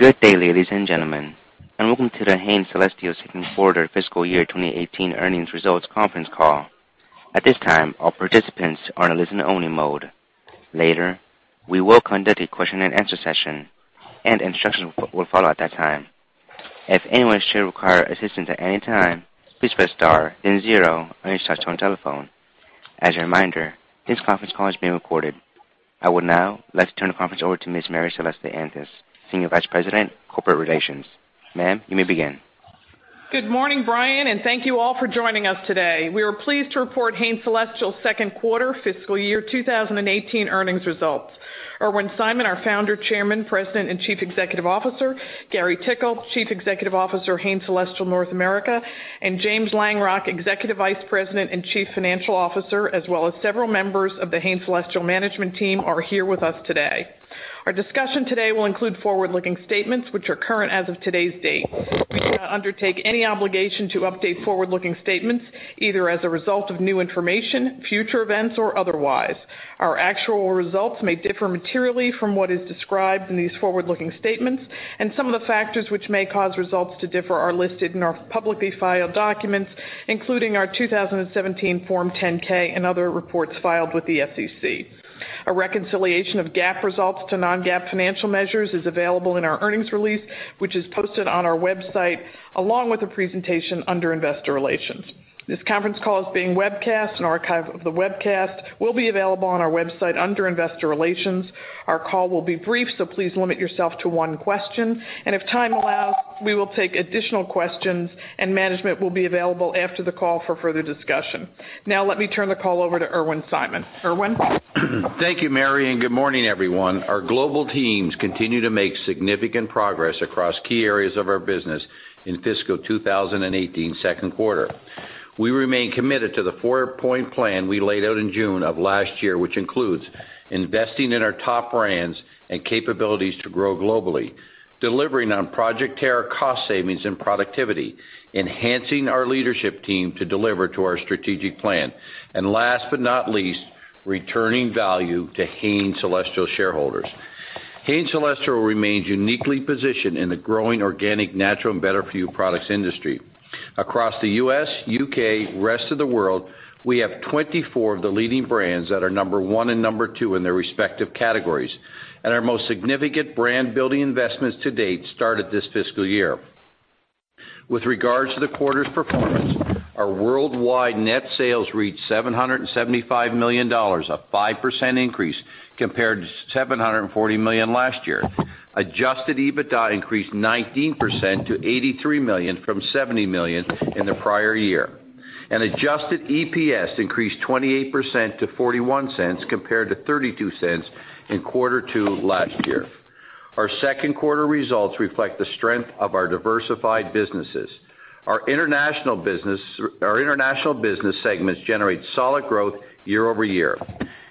Good day, ladies and gentlemen, and welcome to the Hain Celestial second quarter fiscal year 2018 earnings results conference call. At this time, all participants are in listen only mode. Later, we will conduct a question and answer session, and instructions will follow at that time. If anyone should require assistance at any time, please press star, then zero on your touch-tone telephone. As a reminder, this conference call is being recorded. I would now like to turn the conference over to Ms. Mary Celeste Anthes, Senior Vice President, Corporate Relations. Ma'am, you may begin. Good morning, Brian, thank you all for joining us today. We are pleased to report Hain Celestial's second quarter fiscal year 2018 earnings results. Irwin Simon, our Founder, Chairman, President, and Chief Executive Officer, Gary Tickle, Chief Executive Officer, Hain Celestial North America, and James Langrock, Executive Vice President and Chief Financial Officer, as well as several members of the Hain Celestial management team are here with us today. Our discussion today will include forward-looking statements which are current as of today's date. We do not undertake any obligation to update forward-looking statements, either as a result of new information, future events, or otherwise. Our actual results may differ materially from what is described in these forward-looking statements, and some of the factors which may cause results to differ are listed in our publicly filed documents, including our 2017 Form 10-K and other reports filed with the SEC. A reconciliation of GAAP results to non-GAAP financial measures is available in our earnings release, which is posted on our website, along with a presentation under investor relations. This conference call is being webcast. An archive of the webcast will be available on our website under investor relations. Our call will be brief, so please limit yourself to one question. If time allows, we will take additional questions, and management will be available after the call for further discussion. Now let me turn the call over to Irwin Simon. Irwin? Thank you, Mary, good morning, everyone. Our global teams continue to make significant progress across key areas of our business in fiscal 2018 second quarter. We remain committed to the four-point plan we laid out in June of last year, which includes investing in our top brands and capabilities to grow globally, delivering on Project Terra cost savings and productivity, enhancing our leadership team to deliver to our strategic plan, and last but not least, returning value to Hain Celestial shareholders. Hain Celestial remains uniquely positioned in the growing organic, natural, and better-for-you products industry. Across the U.S., U.K., rest of the world, we have 24 of the leading brands that are number one and number two in their respective categories, and our most significant brand building investments to date started this fiscal year. With regards to the quarter's performance, our worldwide net sales reached $775 million, a 5% increase compared to $740 million last year. Adjusted EBITDA increased 19% to $83 million from $70 million in the prior year. Adjusted EPS increased 28% to $0.41 compared to $0.32 in quarter two last year. Our second quarter results reflect the strength of our diversified businesses. Our international business segments generate solid growth year-over-year.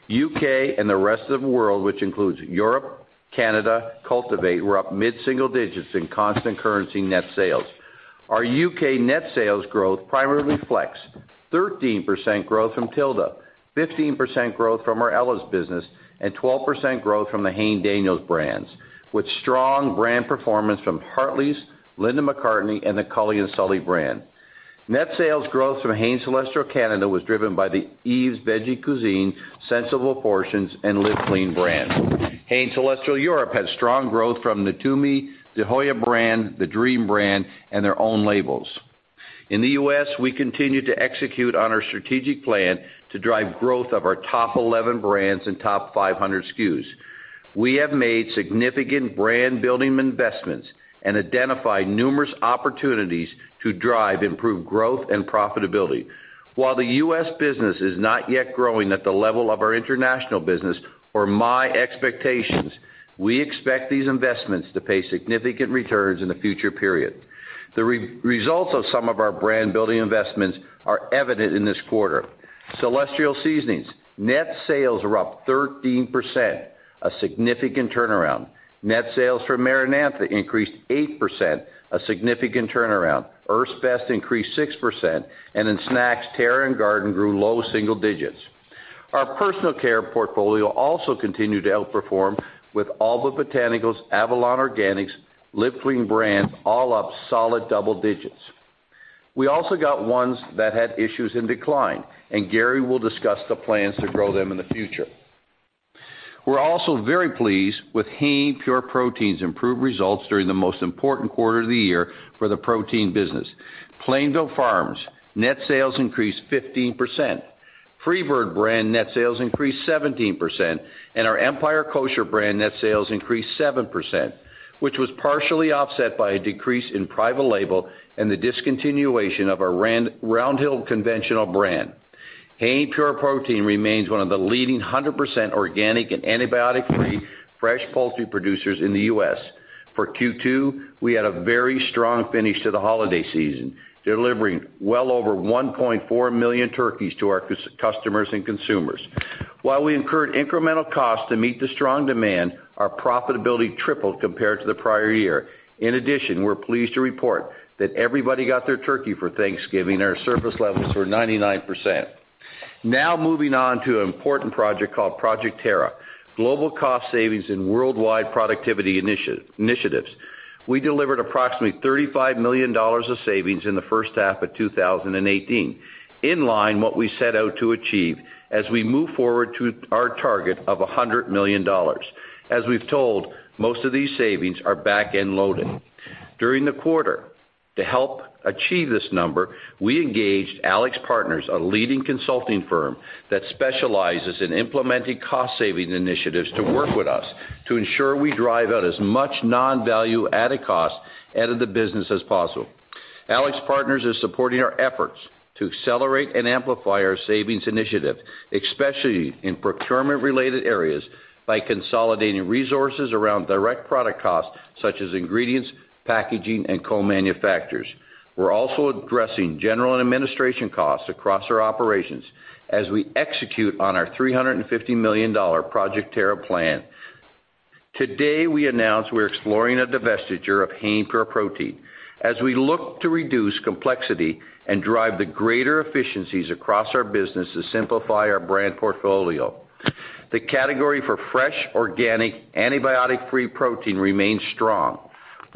U.K. and the rest of world, which includes Europe, Canada, Cultivate, were up mid-single digits in constant currency net sales. Our U.K. net sales growth primarily reflects 13% growth from Tilda, 15% growth from our Ella's business, and 12% growth from the Hain Daniels brands, with strong brand performance from Hartley's, Linda McCartney, and the Cully & Sully brand. Net sales growth from Hain Celestial Canada was driven by the Yves Veggie Cuisine, Sensible Portions, and Live Clean brands. Hain Celestial Europe had strong growth from the Natumi, the Joya brand, the Dream brand, and their own labels. In the U.S., we continue to execute on our strategic plan to drive growth of our top 11 brands and top 500 SKUs. We have made significant brand building investments and identified numerous opportunities to drive improved growth and profitability. While the U.S. business is not yet growing at the level of our international business or my expectations, we expect these investments to pay significant returns in the future period. The results of some of our brand building investments are evident in this quarter. Celestial Seasonings, net sales are up 13%, a significant turnaround. Net sales from MaraNatha increased 8%, a significant turnaround. Earth's Best increased 6%, and in snacks, Terra and Garden grew low single digits. Our personal care portfolio also continued to outperform with Alba Botanica, Avalon Organics, Live Clean brands all up solid double digits. We also got ones that had issues in decline, and Gary will discuss the plans to grow them in the future. We're also very pleased with Hain Pure Protein's improved results during the most important quarter of the year for the protein business. Plainville Farms net sales increased 15%. FreeBird brand net sales increased 17%, and our Empire Kosher brand net sales increased 7%, which was partially offset by a decrease in private label and the discontinuation of our Round Hill conventional brand. Hain Pure Protein remains one of the leading 100% organic and antibiotic-free fresh poultry producers in the U.S. For Q2, we had a very strong finish to the holiday season, delivering well over 1.4 million turkeys to our customers and consumers. While we incurred incremental costs to meet the strong demand, our profitability tripled compared to the prior year. In addition, we're pleased to report that everybody got their turkey for Thanksgiving, and our service levels were 99%. Now moving on to an important project called Project Terra, global cost savings and worldwide productivity initiatives. We delivered approximately $35 million of savings in the first half of 2018, in line what we set out to achieve as we move forward to our target of $100 million. As we've told, most of these savings are back-end loaded. During the quarter, to help achieve this number, we engaged AlixPartners, a leading consulting firm that specializes in implementing cost-saving initiatives to work with us to ensure we drive out as much non-value added cost out of the business as possible. AlixPartners is supporting our efforts to accelerate and amplify our savings initiative, especially in procurement-related areas by consolidating resources around direct product costs such as ingredients, packaging, and co-manufacturers. We're also addressing general and administration costs across our operations as we execute on our $350 million Project Terra plan. Today, we announce we're exploring a divestiture of Hain Pure Protein as we look to reduce complexity and drive the greater efficiencies across our business to simplify our brand portfolio. The category for fresh, organic, antibiotic-free protein remains strong.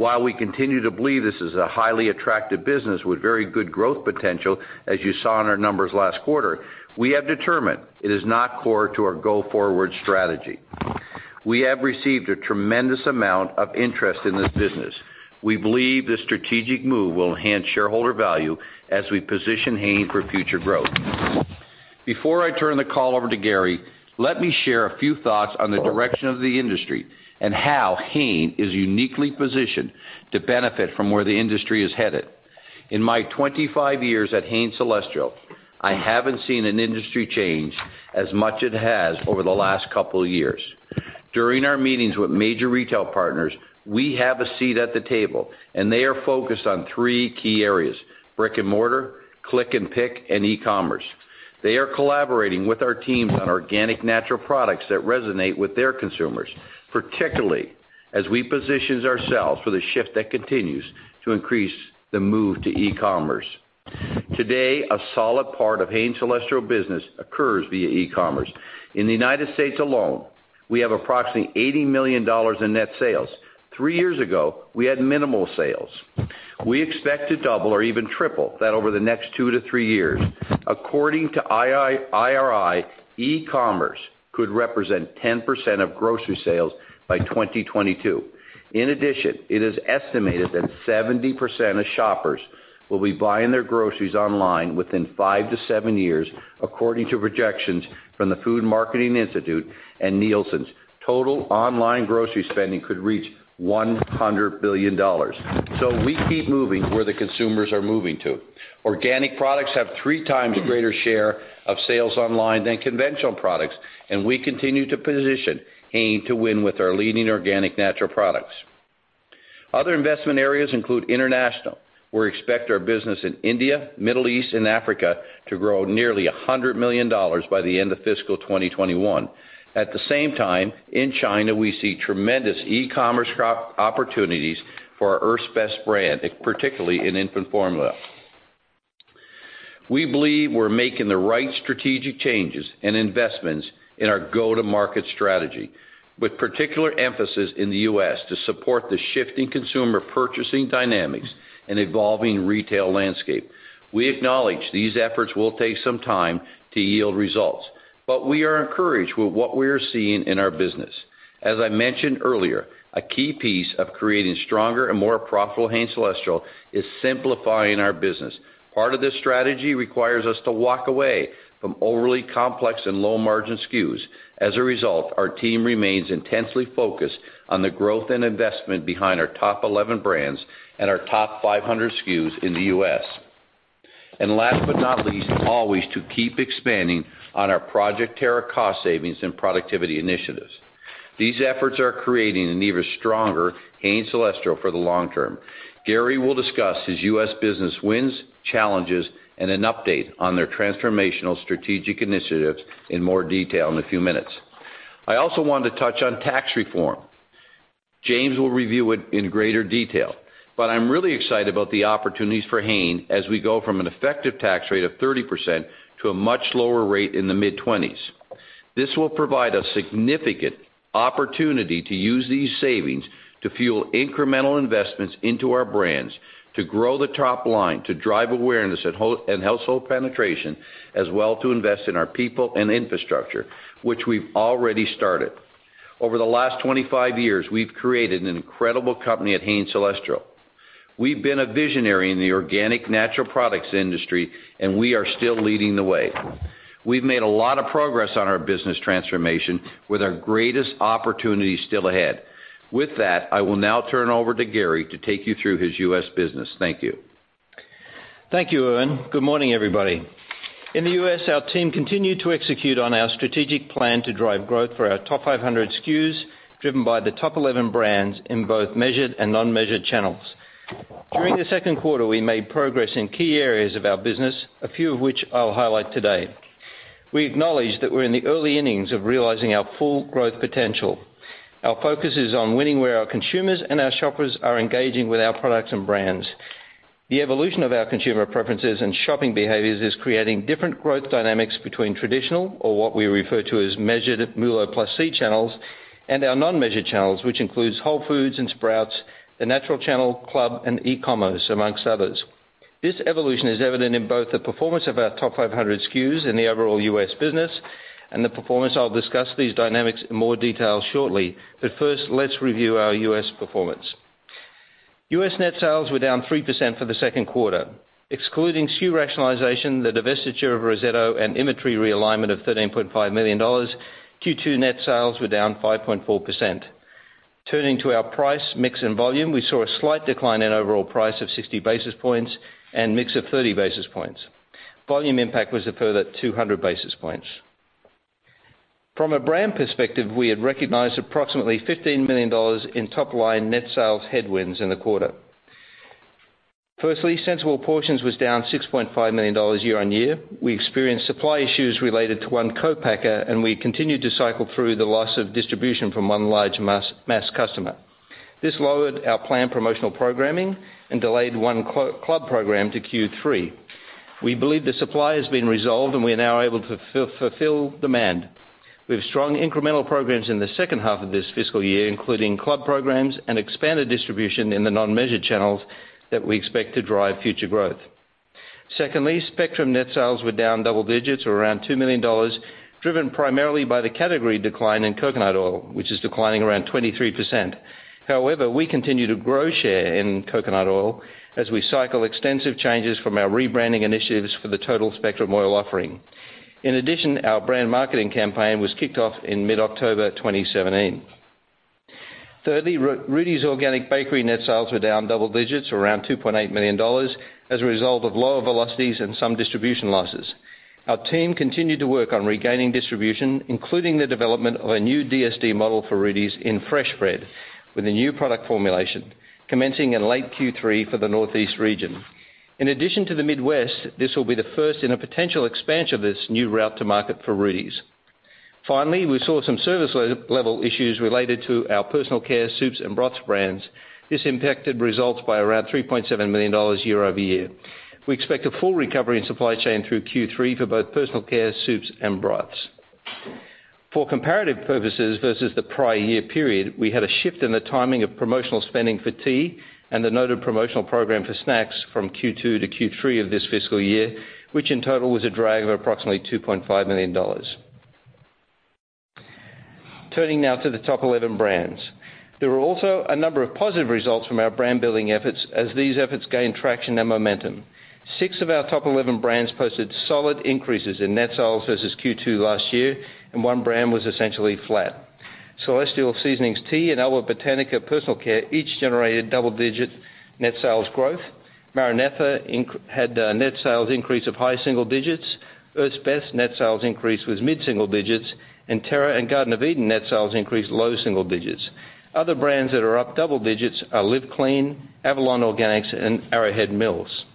While we continue to believe this is a highly attractive business with very good growth potential, as you saw in our numbers last quarter, we have determined it is not core to our go-forward strategy. We have received a tremendous amount of interest in this business. We believe this strategic move will enhance shareholder value as we position Hain for future growth. Before I turn the call over to Gary, let me share a few thoughts on the direction of the industry and how Hain is uniquely positioned to benefit from where the industry is headed. In my 25 years at Hain Celestial, I haven't seen an industry change as much it has over the last couple of years. During our meetings with major retail partners, we have a seat at the table, and they are focused on three key areas: brick and mortar, click and pick, and e-commerce. They are collaborating with our teams on organic, natural products that resonate with their consumers, particularly as we position ourselves for the shift that continues to increase the move to e-commerce. Today, a solid part of Hain Celestial business occurs via e-commerce. In the U.S. alone, we have approximately $80 million in net sales. Three years ago, we had minimal sales. We expect to double or even triple that over the next two to three years. According to IRI, e-commerce could represent 10% of grocery sales by 2022. In addition, it is estimated that 70% of shoppers will be buying their groceries online within five to seven years, according to projections from the Food Marketing Institute and Nielsen's. Total online grocery spending could reach $100 billion. We keep moving where the consumers are moving to. Organic products have three times greater share of sales online than conventional products. We continue to position Hain to win with our leading organic natural products. Other investment areas include international. We expect our business in India, Middle East, and Africa to grow nearly $100 million by the end of fiscal 2021. At the same time, in China, we see tremendous e-commerce opportunities for our Earth's Best brand, particularly in infant formula. We believe we're making the right strategic changes and investments in our go-to-market strategy, with particular emphasis in the U.S. to support the shifting consumer purchasing dynamics and evolving retail landscape. We acknowledge these efforts will take some time to yield results. We are encouraged with what we are seeing in our business. As I mentioned earlier, a key piece of creating stronger and more profitable Hain Celestial is simplifying our business. Part of this strategy requires us to walk away from overly complex and low-margin SKUs. As a result, our team remains intensely focused on the growth and investment behind our top 11 brands and our top 500 SKUs in the U.S. Last but not least, always to keep expanding on our Project Terra cost savings and productivity initiatives. These efforts are creating an even stronger Hain Celestial for the long term. Gary will discuss his U.S. business wins, challenges, and an update on their transformational strategic initiatives in more detail in a few minutes. I also wanted to touch on tax reform. James will review it in greater detail, I'm really excited about the opportunities for Hain as we go from an effective tax rate of 30% to a much lower rate in the mid-20s. This will provide a significant opportunity to use these savings to fuel incremental investments into our brands, to grow the top line, to drive awareness and household penetration, as well to invest in our people and infrastructure, which we've already started. Over the last 25 years, we've created an incredible company at Hain Celestial. We've been a visionary in the organic natural products industry, we are still leading the way. We've made a lot of progress on our business transformation with our greatest opportunity still ahead. With that, I will now turn over to Gary to take you through his U.S. business. Thank you. Thank you, Irwin. Good morning, everybody. In the U.S., our team continued to execute on our strategic plan to drive growth for our top 500 SKUs, driven by the top 11 brands in both measured and non-measured channels. During the second quarter, we made progress in key areas of our business, a few of which I'll highlight today. We acknowledge that we're in the early innings of realizing our full growth potential. Our focus is on winning where our consumers and our shoppers are engaging with our products and brands. The evolution of our consumer preferences and shopping behaviors is creating different growth dynamics between traditional, or what we refer to as measured, MULO+C channels, and our non-measured channels, which includes Whole Foods and Sprouts, the natural channel, club, and e-commerce, amongst others. This evolution is evident in both the performance of our top 500 SKUs in the overall U.S. business. I'll discuss these dynamics in more detail shortly, first, let's review our U.S. performance. U.S. net sales were down 3% for the second quarter. Excluding SKU rationalization, the divestiture of Rosetto, and inventory realignment of $13.5 million, Q2 net sales were down 5.4%. Turning to our price, mix, and volume, we saw a slight decline in overall price of 60 basis points and mix of 30 basis points. Volume impact was a further 200 basis points. From a brand perspective, we had recognized approximately $15 million in top-line net sales headwinds in the quarter. Firstly, Sensible Portions was down $6.5 million year-over-year. We experienced supply issues related to one co-packer, and we continued to cycle through the loss of distribution from one large mass customer. This lowered our planned promotional programming and delayed one club program to Q3. We believe the supply has been resolved, and we are now able to fulfill demand. We have strong incremental programs in the second half of this fiscal year, including club programs and expanded distribution in the non-measured channels that we expect to drive future growth. Secondly, Spectrum net sales were down double digits or around $2 million, driven primarily by the category decline in coconut oil, which is declining around 23%. However, we continue to grow share in coconut oil as we cycle extensive changes from our rebranding initiatives for the total Spectrum oil offering. In addition, our brand marketing campaign was kicked off in mid-October 2017. Thirdly, Rudi's Organic Bakery net sales were down double digits or around $2.8 million as a result of lower velocities and some distribution losses. Our team continued to work on regaining distribution, including the development of a new DSD model for Rudi's in fresh bread with a new product formulation commencing in late Q3 for the Northeast region. In addition to the Midwest, this will be the first in a potential expansion of this new route to market for Rudi's. We saw some service level issues related to our personal care soups and broths brands. This impacted results by around $3.7 million year-over-year. We expect a full recovery in supply chain through Q3 for both personal care soups and broths. For comparative purposes versus the prior year period, we had a shift in the timing of promotional spending for tea and the noted promotional program for snacks from Q2 to Q3 of this fiscal year, which in total was a drag of approximately $2.5 million. Turning now to the top 11 brands. There were also a number of positive results from our brand-building efforts as these efforts gain traction and momentum. Six of our top 11 brands posted solid increases in net sales versus Q2 last year, and one brand was essentially flat. Celestial Seasonings Tea and Alba Botanica Personal Care each generated double-digit net sales growth. MaraNatha had a net sales increase of high single digits. Earth's Best net sales increase was mid-single digits, and Terra and Garden of Eatin' net sales increased low single digits. Other brands that are up double digits are Live Clean, Avalon Organics, and Arrowhead Mills.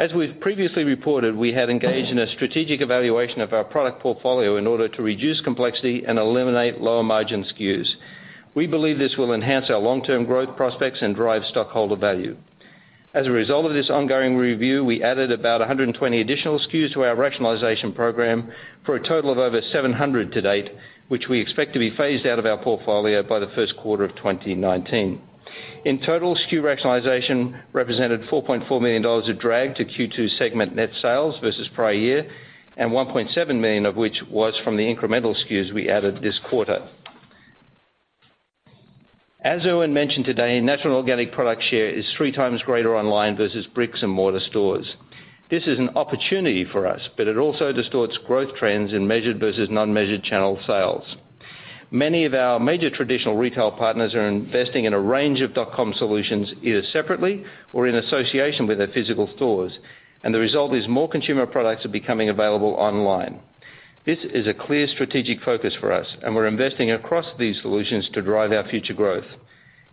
As we've previously reported, we had engaged in a strategic evaluation of our product portfolio in order to reduce complexity and eliminate lower-margin SKUs. We believe this will enhance our long-term growth prospects and drive stockholder value. As a result of this ongoing review, we added about 120 additional SKUs to our rationalization program for a total of over 700 to date, which we expect to be phased out of our portfolio by the first quarter of 2019. In total, SKU rationalization represented $4.4 million of drag to Q2 segment net sales versus prior year, and $1.7 million of which was from the incremental SKUs we added this quarter. As Irwin mentioned today, natural and organic product share is three times greater online versus bricks and mortar stores. This is an opportunity for us, but it also distorts growth trends in measured versus non-measured channel sales. Many of our major traditional retail partners are investing in a range of dotcom solutions, either separately or in association with their physical stores, and the result is more consumer products are becoming available online. This is a clear strategic focus for us, we're investing across these solutions to drive our future growth.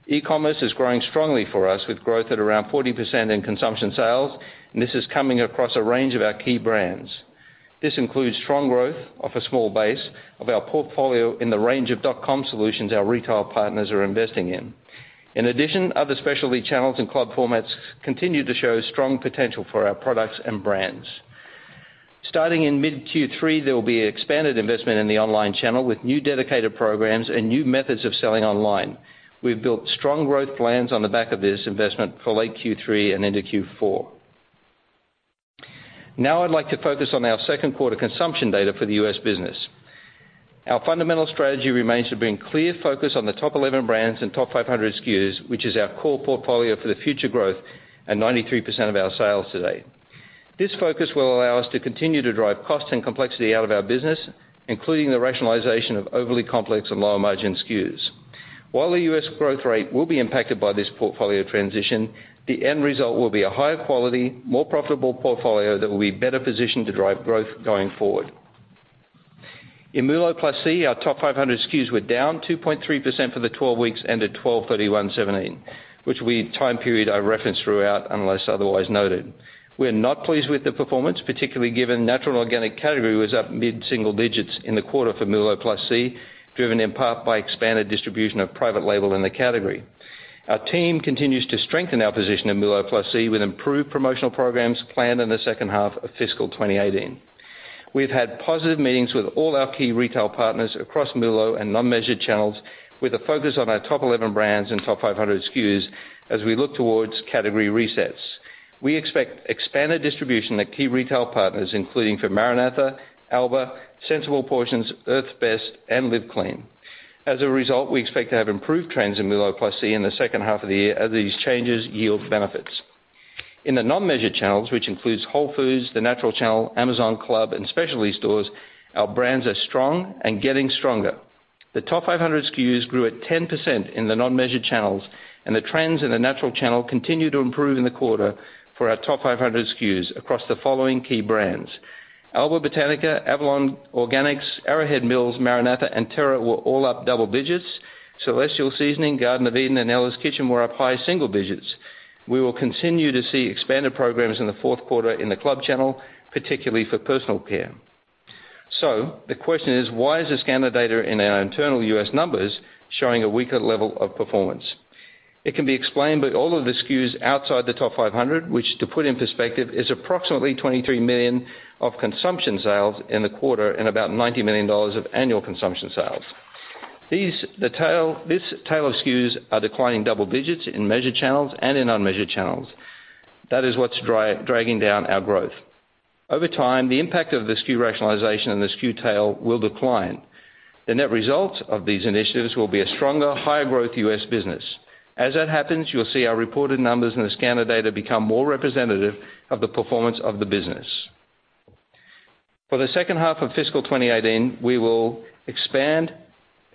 E-commerce is growing strongly for us, with growth at around 40% in consumption sales, and this is coming across a range of our key brands. This includes strong growth off a small base of our portfolio in the range of dotcom solutions our retail partners are investing in. In addition, other specialty channels and club formats continue to show strong potential for our products and brands. Starting in mid-Q3, there will be expanded investment in the online channel with new dedicated programs and new methods of selling online. We've built strong growth plans on the back of this investment for late Q3 and into Q4. Now I'd like to focus on our second quarter consumption data for the U.S. business. Our fundamental strategy remains to bring clear focus on the top 11 brands and top 500 SKUs, which is our core portfolio for the future growth and 93% of our sales today. This focus will allow us to continue to drive cost and complexity out of our business, including the rationalization of overly complex and lower-margin SKUs. While the U.S. growth rate will be impacted by this portfolio transition, the end result will be a higher quality, more profitable portfolio that will be better positioned to drive growth going forward. In MULO+C, our top 500 SKUs were down 2.3% for the 12 weeks ended 12/31/2017, which will be the time period I reference throughout unless otherwise noted. We're not pleased with the performance, particularly given natural and organic category was up mid-single digits in the quarter for MULO+C, driven in part by expanded distribution of private label in the category. Our team continues to strengthen our position in MULO+C with improved promotional programs planned in the second half of fiscal 2018. We've had positive meetings with all our key retail partners across MULO and non-measured channels, with a focus on our top 11 brands and top 500 SKUs as we look towards category resets. We expect expanded distribution at key retail partners, including for MaraNatha, Alba, Sensible Portions, Earth's Best, and Live Clean. As a result, we expect to have improved trends in MULO+C in the second half of the year as these changes yield benefits. In the non-measured channels, which includes Whole Foods, the Natural Channel, Amazon, club, and specialty stores, our brands are strong and getting stronger. The top 500 SKUs grew at 10% in the non-measured channels, and the trends in the natural channel continue to improve in the quarter for our top 500 SKUs across the following key brands: Alba Botanica, Avalon Organics, Arrowhead Mills, MaraNatha, and Terra were all up double digits. Celestial Seasonings, Garden of Eatin', and Ella's Kitchen were up high single digits. We will continue to see expanded programs in the fourth quarter in the club channel, particularly for personal care. The question is, why is the scanner data in our internal U.S. numbers showing a weaker level of performance? It can be explained by all of the SKUs outside the top 500, which, to put in perspective, is approximately $23 million of consumption sales in the quarter and about $90 million of annual consumption sales. This tail of SKUs are declining double digits in measured channels and in unmeasured channels. That is what's dragging down our growth. Over time, the impact of the SKU rationalization and the SKU tail will decline. The net result of these initiatives will be a stronger, higher-growth U.S. business. As that happens, you'll see our reported numbers in the scanner data become more representative of the performance of the business. For the second half of fiscal 2018, we will expand,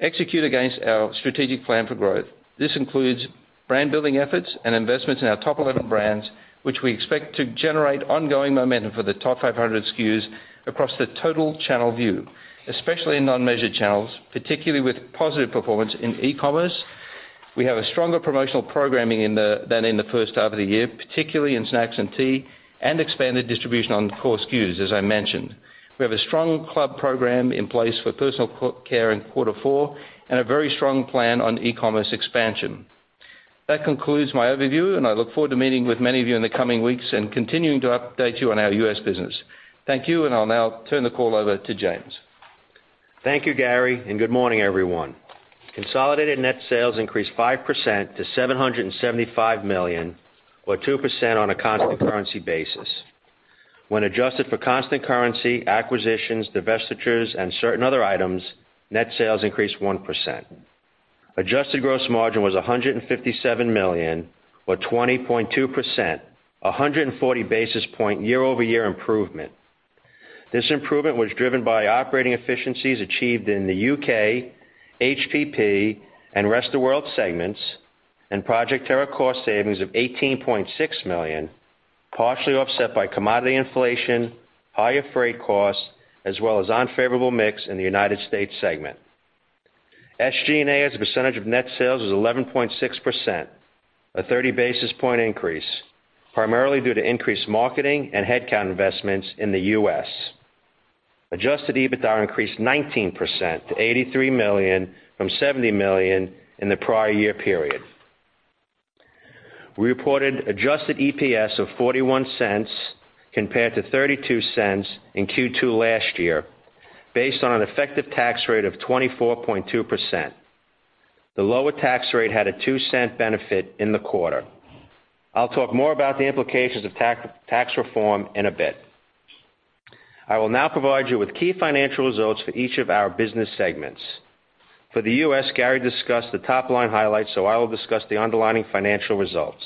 execute against our strategic plan for growth. This includes brand-building efforts and investments in our top 11 brands, which we expect to generate ongoing momentum for the top 500 SKUs across the total channel view, especially in non-measured channels, particularly with positive performance in e-commerce. We have a stronger promotional programming than in the first half of the year, particularly in snacks and tea, and expanded distribution on core SKUs, as I mentioned. We have a strong club program in place for personal care in quarter four and a very strong plan on e-commerce expansion. That concludes my overview, and I look forward to meeting with many of you in the coming weeks and continuing to update you on our U.S. business. Thank you, and I'll now turn the call over to James. Thank you, Gary, and good morning, everyone. Consolidated net sales increased 5% to $775 million, or 2% on a constant currency basis. When adjusted for constant currency, acquisitions, divestitures, and certain other items, net sales increased 1%. Adjusted gross margin was $157 million, or 20.2%, a 140-basis point year-over-year improvement. This improvement was driven by operating efficiencies achieved in the U.K., HPP, and Rest of World segments, and Project Terra cost savings of $18.6 million, partially offset by commodity inflation, higher freight costs, as well as unfavorable mix in the United States segment. SG&A as a percentage of net sales was 11.6%, a 30-basis point increase, primarily due to increased marketing and headcount investments in the U.S. Adjusted EBITDA increased 19% to $83 million from $70 million in the prior year period. We reported adjusted EPS of $0.41 compared to $0.32 in Q2 last year, based on an effective tax rate of 24.2%. The lower tax rate had a $0.02 benefit in the quarter. I'll talk more about the implications of Tax Reform in a bit. I will now provide you with key financial results for each of our business segments. For the U.S., Gary discussed the top-line highlights, so I will discuss the underlying financial results.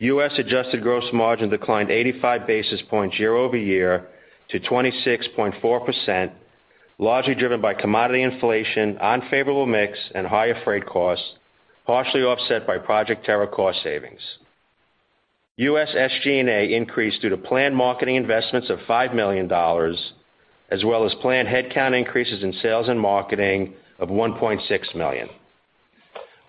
U.S. adjusted gross margin declined 85 basis points year-over-year to 26.4%, largely driven by commodity inflation, unfavorable mix, and higher freight costs, partially offset by Project Terra cost savings. U.S. SG&A increased due to planned marketing investments of $5 million, as well as planned headcount increases in sales and marketing of $1.6 million.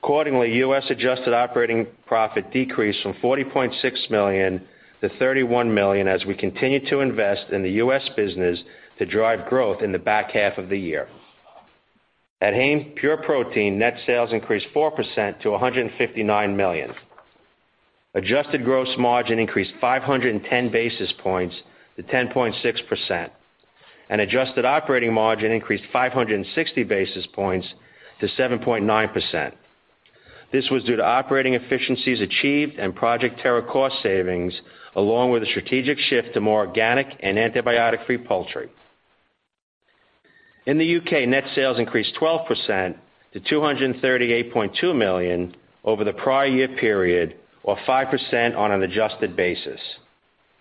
Accordingly, U.S. adjusted operating profit decreased from $40.6 million to $31 million as we continue to invest in the U.S. business to drive growth in the back half of the year. At Hain Pure Protein, net sales increased 4% to $159 million. Adjusted gross margin increased 510 basis points to 10.6%, and adjusted operating margin increased 560 basis points to 7.9%. This was due to operating efficiencies achieved and Project Terra cost savings, along with a strategic shift to more organic and antibiotic-free poultry. In the U.K., net sales increased 12% to $238.2 million over the prior year period, or 5% on an adjusted basis.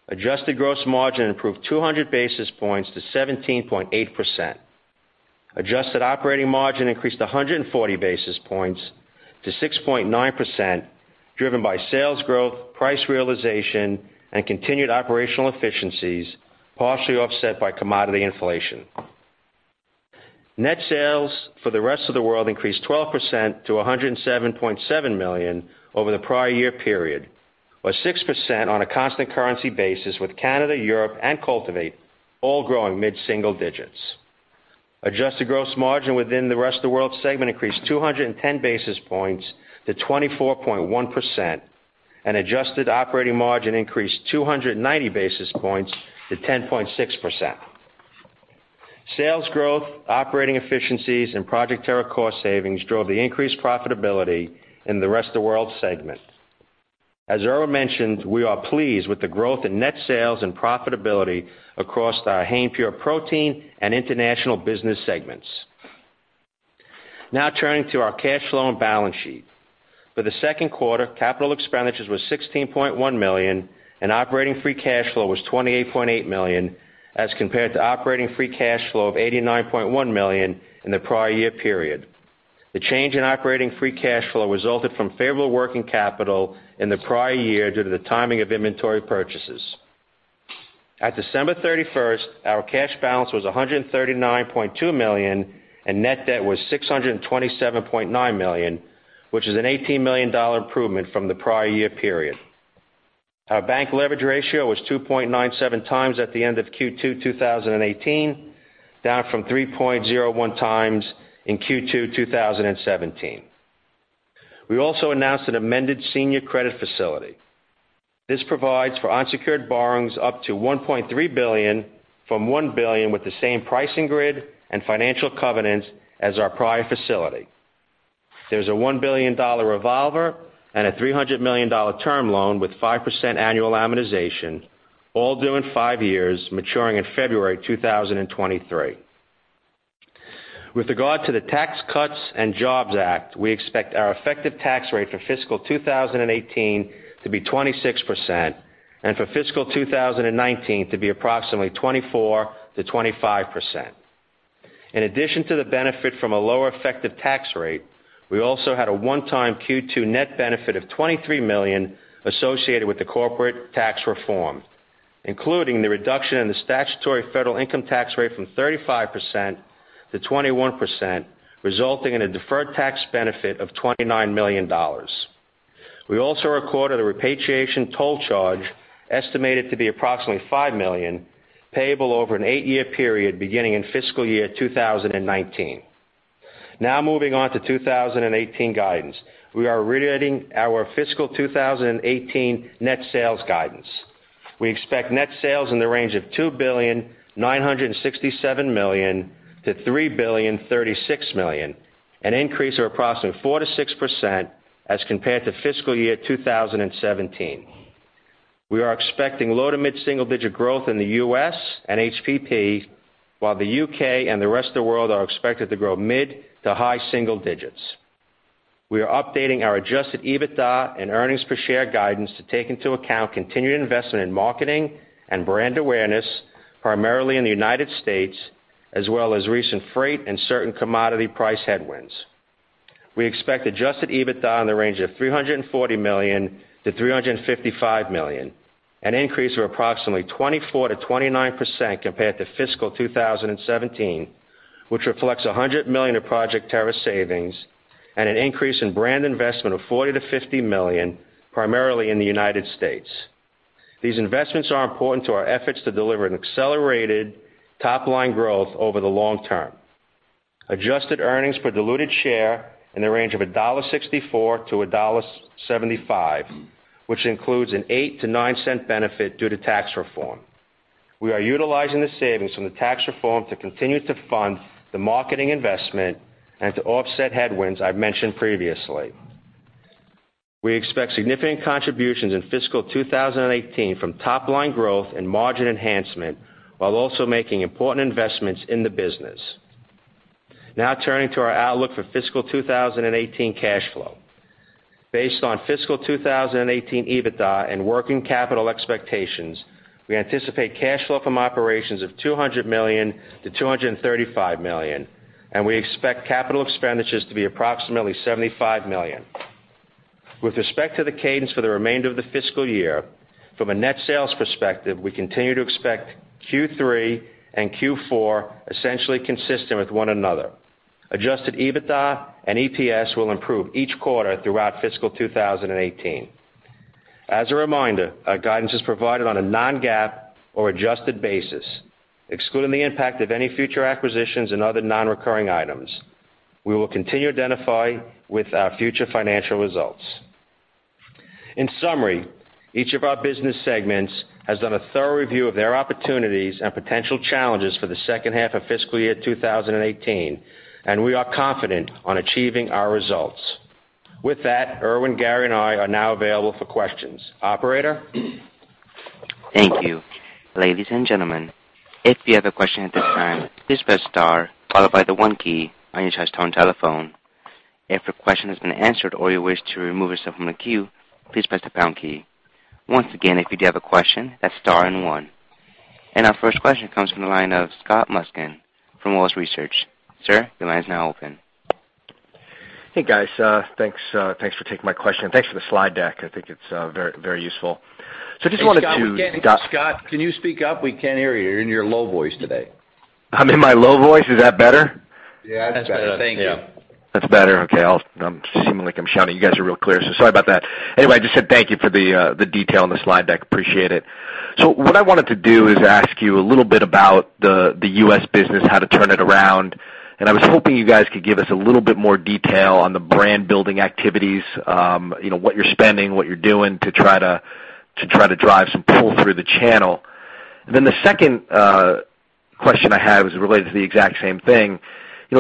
Adjusted gross margin improved 200 basis points to 17.8%. Adjusted operating margin increased 140 basis points to 6.9%, driven by sales growth, price realization, and continued operational efficiencies, partially offset by commodity inflation. Net sales for the Rest of World Segment increased 12% to $107.7 million over the prior year period, or 6% on a constant currency basis with Canada, Europe, and Cultivate all growing mid-single digits. Adjusted gross margin within the Rest of World Segment increased 210 basis points to 24.1%, and adjusted operating margin increased 290 basis points to 10.6%. Sales growth, operating efficiencies, and Project Terra cost savings drove the increased profitability in the Rest of World Segment. As Irwin mentioned, we are pleased with the growth in net sales and profitability across our Hain Pure Protein and International business segments. Now turning to our cash flow and balance sheet. For the second quarter, capital expenditures were $16.1 million, and operating free cash flow was $28.8 million, as compared to operating free cash flow of $89.1 million in the prior year period. The change in operating free cash flow resulted from favorable working capital in the prior year due to the timing of inventory purchases. At December 31st, our cash balance was $139.2 million, and net debt was $627.9 million, which is an $18 million improvement from the prior year period. Our bank leverage ratio was 2.97 times at the end of Q2 2018, down from 3.01 times in Q2 2017. We also announced an amended senior credit facility. This provides for unsecured borrowings up to $1.3 billion from $1 billion with the same pricing grid and financial covenants as our prior facility. There is a $1 billion revolver and a $300 million term loan with 5% annual amortization, all due in five years, maturing in February 2023. With regard to the Tax Cuts and Jobs Act, we expect our effective tax rate for fiscal 2018 to be 26% and for fiscal 2019 to be approximately 24%-25%. In addition to the benefit from a lower effective tax rate, we also had a one-time Q2 net benefit of $23 million associated with the corporate tax reform, including the reduction in the statutory federal income tax rate from 35% to 21%, resulting in a deferred tax benefit of $29 million. We also recorded a repatriation toll charge estimated to be approximately $5 million, payable over an eight-year period beginning in fiscal year 2019. Now moving on to 2018 guidance. We are reiterating our fiscal 2018 net sales guidance. We expect net sales in the range of $2,967,000,000-$3,036,000,000, an increase of approximately 4%-6% as compared to fiscal year 2017. We are expecting low to mid single-digit growth in the U.S. and HPP, while the U.K. and the Rest of World are expected to grow mid to high single digits. We are updating our adjusted EBITDA and earnings per share guidance to take into account continued investment in marketing and brand awareness, primarily in the United States, as well as recent freight and certain commodity price headwinds. We expect adjusted EBITDA in the range of $340 million to $355 million, an increase of approximately 24%-29% compared to fiscal 2017, which reflects $100 million of Project Terra savings and an increase in brand investment of $40 million to $50 million, primarily in the United States. These investments are important to our efforts to deliver an accelerated top-line growth over the long term. Adjusted earnings per diluted share in the range of $1.64 to $1.75, which includes an $0.08 to $0.09 benefit due to tax reform. We are utilizing the savings from the tax reform to continue to fund the marketing investment and to offset headwinds I've mentioned previously. We expect significant contributions in fiscal 2018 from top-line growth and margin enhancement, while also making important investments in the business. Now turning to our outlook for fiscal 2018 cash flow. Based on fiscal 2018 EBITDA and working capital expectations, we anticipate cash flow from operations of $200 million to $235 million, and we expect capital expenditures to be approximately $75 million. With respect to the cadence for the remainder of the fiscal year, from a net sales perspective, we continue to expect Q3 and Q4 essentially consistent with one another. Adjusted EBITDA and EPS will improve each quarter throughout fiscal 2018. As a reminder, our guidance is provided on a non-GAAP or adjusted basis, excluding the impact of any future acquisitions and other non-recurring items. We will continue to identify with our future financial results. In summary, each of our business segments has done a thorough review of their opportunities and potential challenges for the second half of fiscal year 2018, and we are confident on achieving our results. With that, Irwin, Gary, and I are now available for questions. Operator? Thank you. Ladies and gentlemen, if you have a question at this time, please press star, followed by the one key on your touchtone telephone. If your question has been answered or you wish to remove yourself from the queue, please press the pound key. Once again, if you do have a question, that's star and one. Our first question comes from the line of Scott Mushkin from Wolfe Research. Sir, your line is now open. Hey, guys. Thanks for taking my question. Thanks for the slide deck. I think it's very useful. Hey, Scott, we can't hear you. Scott, can you speak up? We can't hear you. You're in your low voice today. I'm in my low voice. Is that better? Yeah, that's better. Thank you. That's better? Okay. I'm seeming like I'm shouting. You guys are real clear, sorry about that. I just said thank you for the detail on the slide deck. Appreciate it. What I wanted to do is ask you a little bit about the U.S. business, how to turn it around, and I was hoping you guys could give us a little bit more detail on the brand-building activities. What you're spending, what you're doing to try to drive some pull through the channel. The second question I have is related to the exact same thing.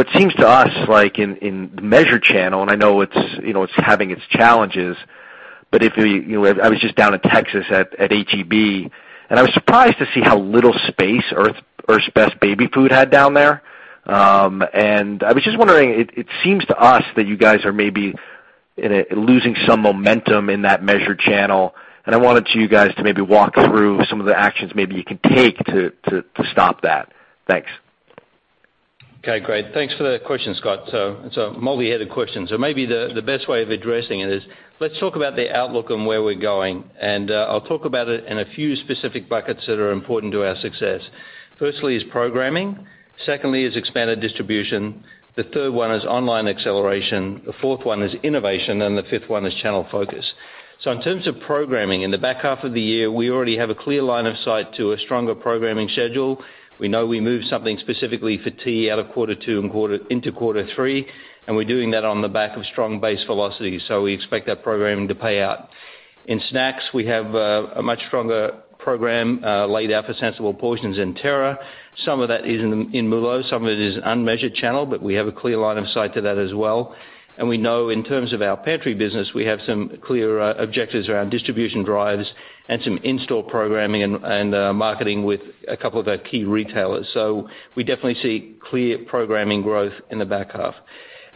It seems to us like in the measured channel, and I know it's having its challenges, but I was just down in Texas at H-E-B, and I was surprised to see how little space Earth's Best baby food had down there. I was just wondering, it seems to us that you guys are maybe losing some momentum in that measured channel, and I wanted you guys to maybe walk through some of the actions maybe you can take to stop that. Thanks. Okay, great. Thanks for the question, Scott. It's a multi-headed question. Maybe the best way of addressing it is, let's talk about the outlook and where we're going, and I'll talk about it in a few specific buckets that are important to our success. Firstly is programming, secondly is expanded distribution, the third one is online acceleration, the fourth one is innovation, and the fifth one is channel focus. In terms of programming, in the back half of the year, we already have a clear line of sight to a stronger programming schedule. We know we moved something specifically for tea out of quarter two into quarter three, and we're doing that on the back of strong base velocity. We expect that programming to pay out. In snacks, we have a much stronger program laid out for Sensible Portions and Terra. Some of that is in MULO+C, some of it is unmeasured channel, we have a clear line of sight to that as well. We know in terms of our pantry business, we have some clear objectives around distribution drives and some in-store programming and marketing with a couple of our key retailers. We definitely see clear programming growth in the back half.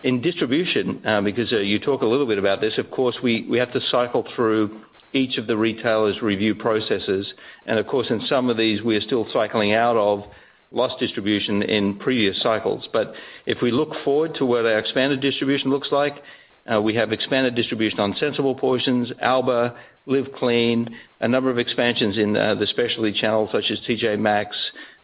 In distribution, because you talk a little bit about this, of course, we have to cycle through each of the retailers' review processes, and of course, in some of these, we are still cycling out of lost distribution in previous cycles. If we look forward to what our expanded distribution looks like, we have expanded distribution on Sensible Portions, Alba, Live Clean, a number of expansions in the specialty channel such as T.J. Maxx,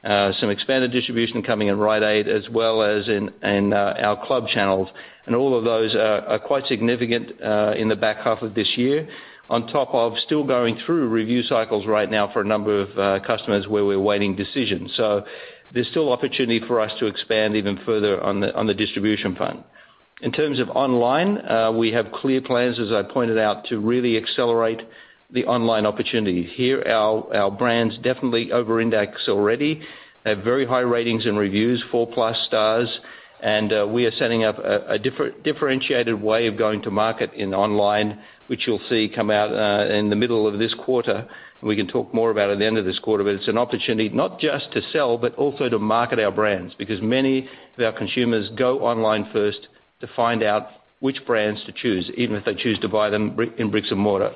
some expanded distribution coming in Rite Aid, as well as in our club channels. All of those are quite significant in the back half of this year, on top of still going through review cycles right now for a number of customers where we're awaiting decisions. There's still opportunity for us to expand even further on the distribution front. In terms of online, we have clear plans, as I pointed out, to really accelerate the online opportunity. Here, our brands definitely over-index already, have very high ratings and reviews, 4-plus stars, and we are setting up a differentiated way of going to market in online, which you'll see come out in the middle of this quarter, and we can talk more about at the end of this quarter. It's an opportunity not just to sell, but also to market our brands, because many of our consumers go online first to find out which brands to choose, even if they choose to buy them in bricks and mortar.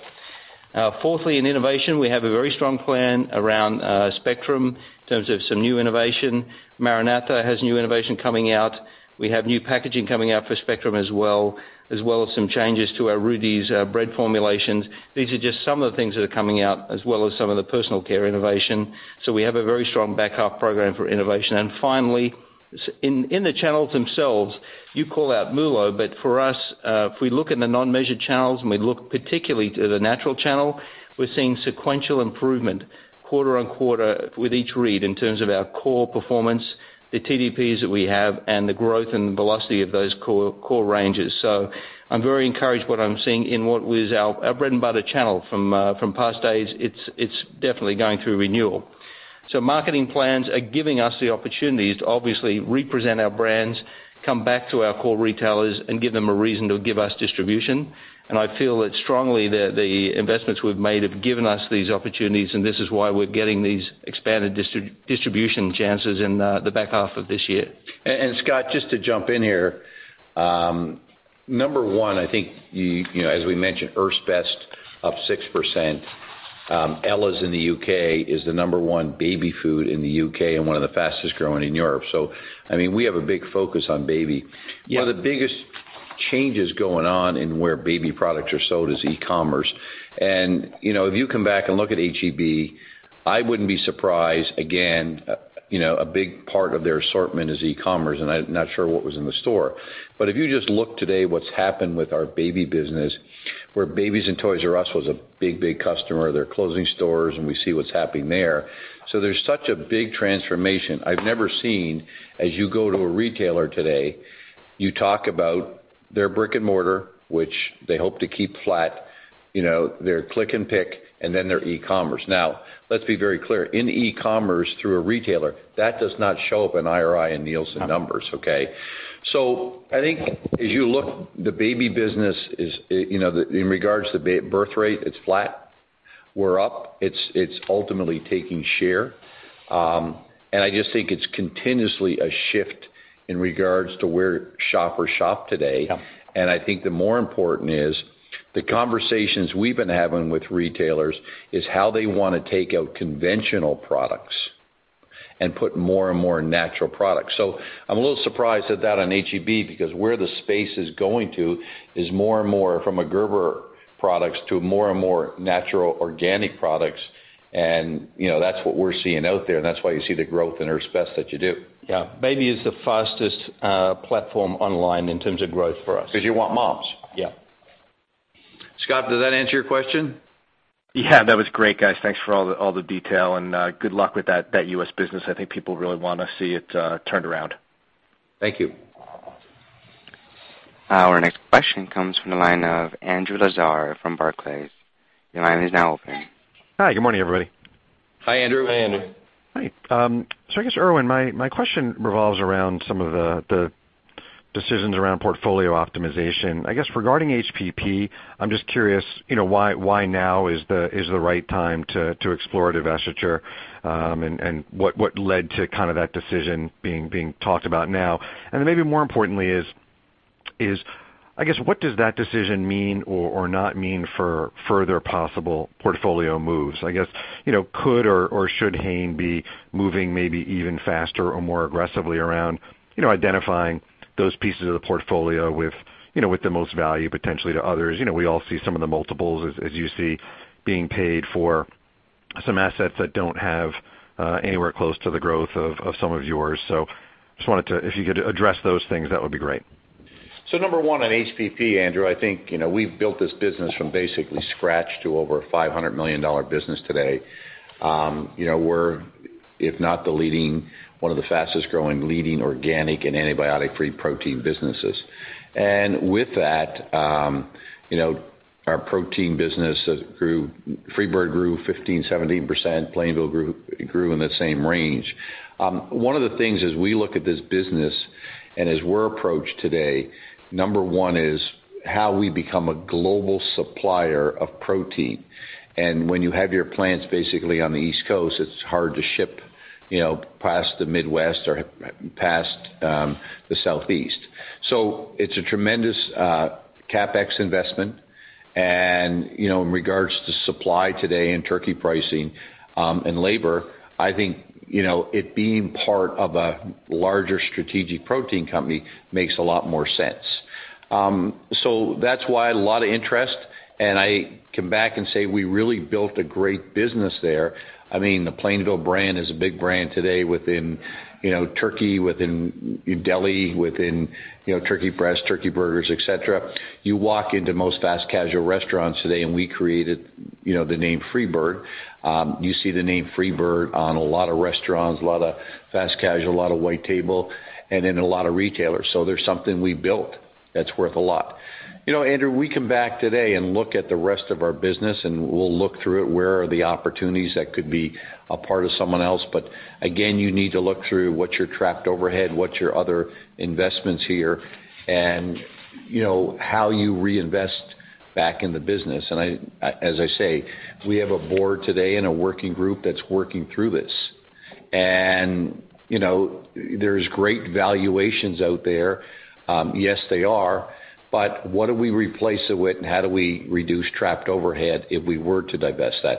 Fourthly, in innovation, we have a very strong plan around Spectrum in terms of some new innovation. MaraNatha has new innovation coming out. We have new packaging coming out for Spectrum as well, as well as some changes to our Rudi's bread formulations. These are just some of the things that are coming out, as well as some of the personal care innovation. We have a very strong back-half program for innovation. Finally, in the channels themselves, you call out MULO, but for us, if we look in the non-measured channels and we look particularly to the natural channel, we're seeing sequential improvement quarter-on-quarter with each read in terms of our core performance, the TDPs that we have, and the growth and velocity of those core ranges. I'm very encouraged what I'm seeing in what was our bread and butter channel from past days. It's definitely going through renewal. Marketing plans are giving us the opportunities to obviously represent our brands, come back to our core retailers and give them a reason to give us distribution. I feel it strongly that the investments we've made have given us these opportunities, and this is why we're getting these expanded distribution chances in the back half of this year. Scott, just to jump in here. Number one, I think as we mentioned, Earth's Best up 6%. Ella's in the U.K. is the number one baby food in the U.K. and one of the fastest-growing in Europe. We have a big focus on baby. One of the biggest changes going on in where baby products are sold is e-commerce. If you come back and look at H-E-B, I wouldn't be surprised, again, a big part of their assortment is e-commerce, and I'm not sure what was in the store. If you just look today what's happened with our baby business, where babies in Toys R Us was a big customer, they're closing stores, and we see what's happening there. There's such a big transformation. I've never seen, as you go to a retailer today, you talk about their brick and mortar, which they hope to keep flat, their click and pick, and then their e-commerce. Now, let's be very clear. In e-commerce through a retailer, that does not show up in IRI and Nielsen numbers, okay? I think as you look, the baby business in regards to birth rate, it's flat. We're up. It's ultimately taking share. I just think it's continuously a shift in regards to where shoppers shop today. Yeah. I think the more important is the conversations we've been having with retailers is how they want to take out conventional products and put more and more natural products. I'm a little surprised at that on H-E-B, because where the space is going to is more and more from a Gerber Products to more and more natural organic products. That's what we're seeing out there, and that's why you see the growth in Earth's Best that you do. Yeah. Baby is the fastest platform online in terms of growth for us. Because you want moms. Yeah. Scott, does that answer your question? Yeah. That was great, guys. Thanks for all the detail, and good luck with that U.S. business. I think people really want to see it turned around. Thank you. Our next question comes from the line of Andrew Lazar from Barclays. Your line is now open. Hi, good morning, everybody. Hi, Andrew. Hi, Andrew. Hi. I guess, Irwin, my question revolves around some of the decisions around portfolio optimization. I guess regarding HPP, I'm just curious, why now is the right time to explore divestiture, and what led to kind of that decision being talked about now? Maybe more importantly is, I guess what does that decision mean or not mean for further possible portfolio moves? I guess, could or should Hain be moving maybe even faster or more aggressively around identifying those pieces of the portfolio with the most value potentially to others? We all see some of the multiples as you see being paid for some assets that don't have anywhere close to the growth of some of yours. Just wanted to, if you could address those things, that would be great. Number one on HPP, Andrew, I think, we've built this business from basically scratch to over a $500 million business today. We're, if not the leading, one of the fastest-growing leading organic and antibiotic-free protein businesses. Our protein business has FreeBird grew 15, 17%, Plainville grew in that same range. One of the things as we look at this business and as we're approached today, number one is how we become a global supplier of protein. When you have your plants basically on the East Coast, it's hard to ship past the Midwest or past the Southeast. It's a tremendous CapEx investment. In regards to supply today and turkey pricing and labor, I think, it being part of a larger strategic protein company makes a lot more sense. That's why a lot of interest, I come back and say we really built a great business there. The Plainville brand is a big brand today within turkey, within deli, within turkey breast, turkey burgers, et cetera. You walk into most fast-casual restaurants today, we created the name FreeBird. You see the name FreeBird on a lot of restaurants, a lot of fast casual, a lot of white table, and in a lot of retailers. There's something we built that's worth a lot. Andrew, we come back today and look at the rest of our business, we'll look through it. Where are the opportunities that could be a part of someone else? Again, you need to look through what's your trapped overhead, what's your other investments here, and how you reinvest back in the business. As I say, we have a board today and a working group that's working through this. There's great valuations out there. Yes, they are, what do we replace it with and how do we reduce trapped overhead if we were to divest that?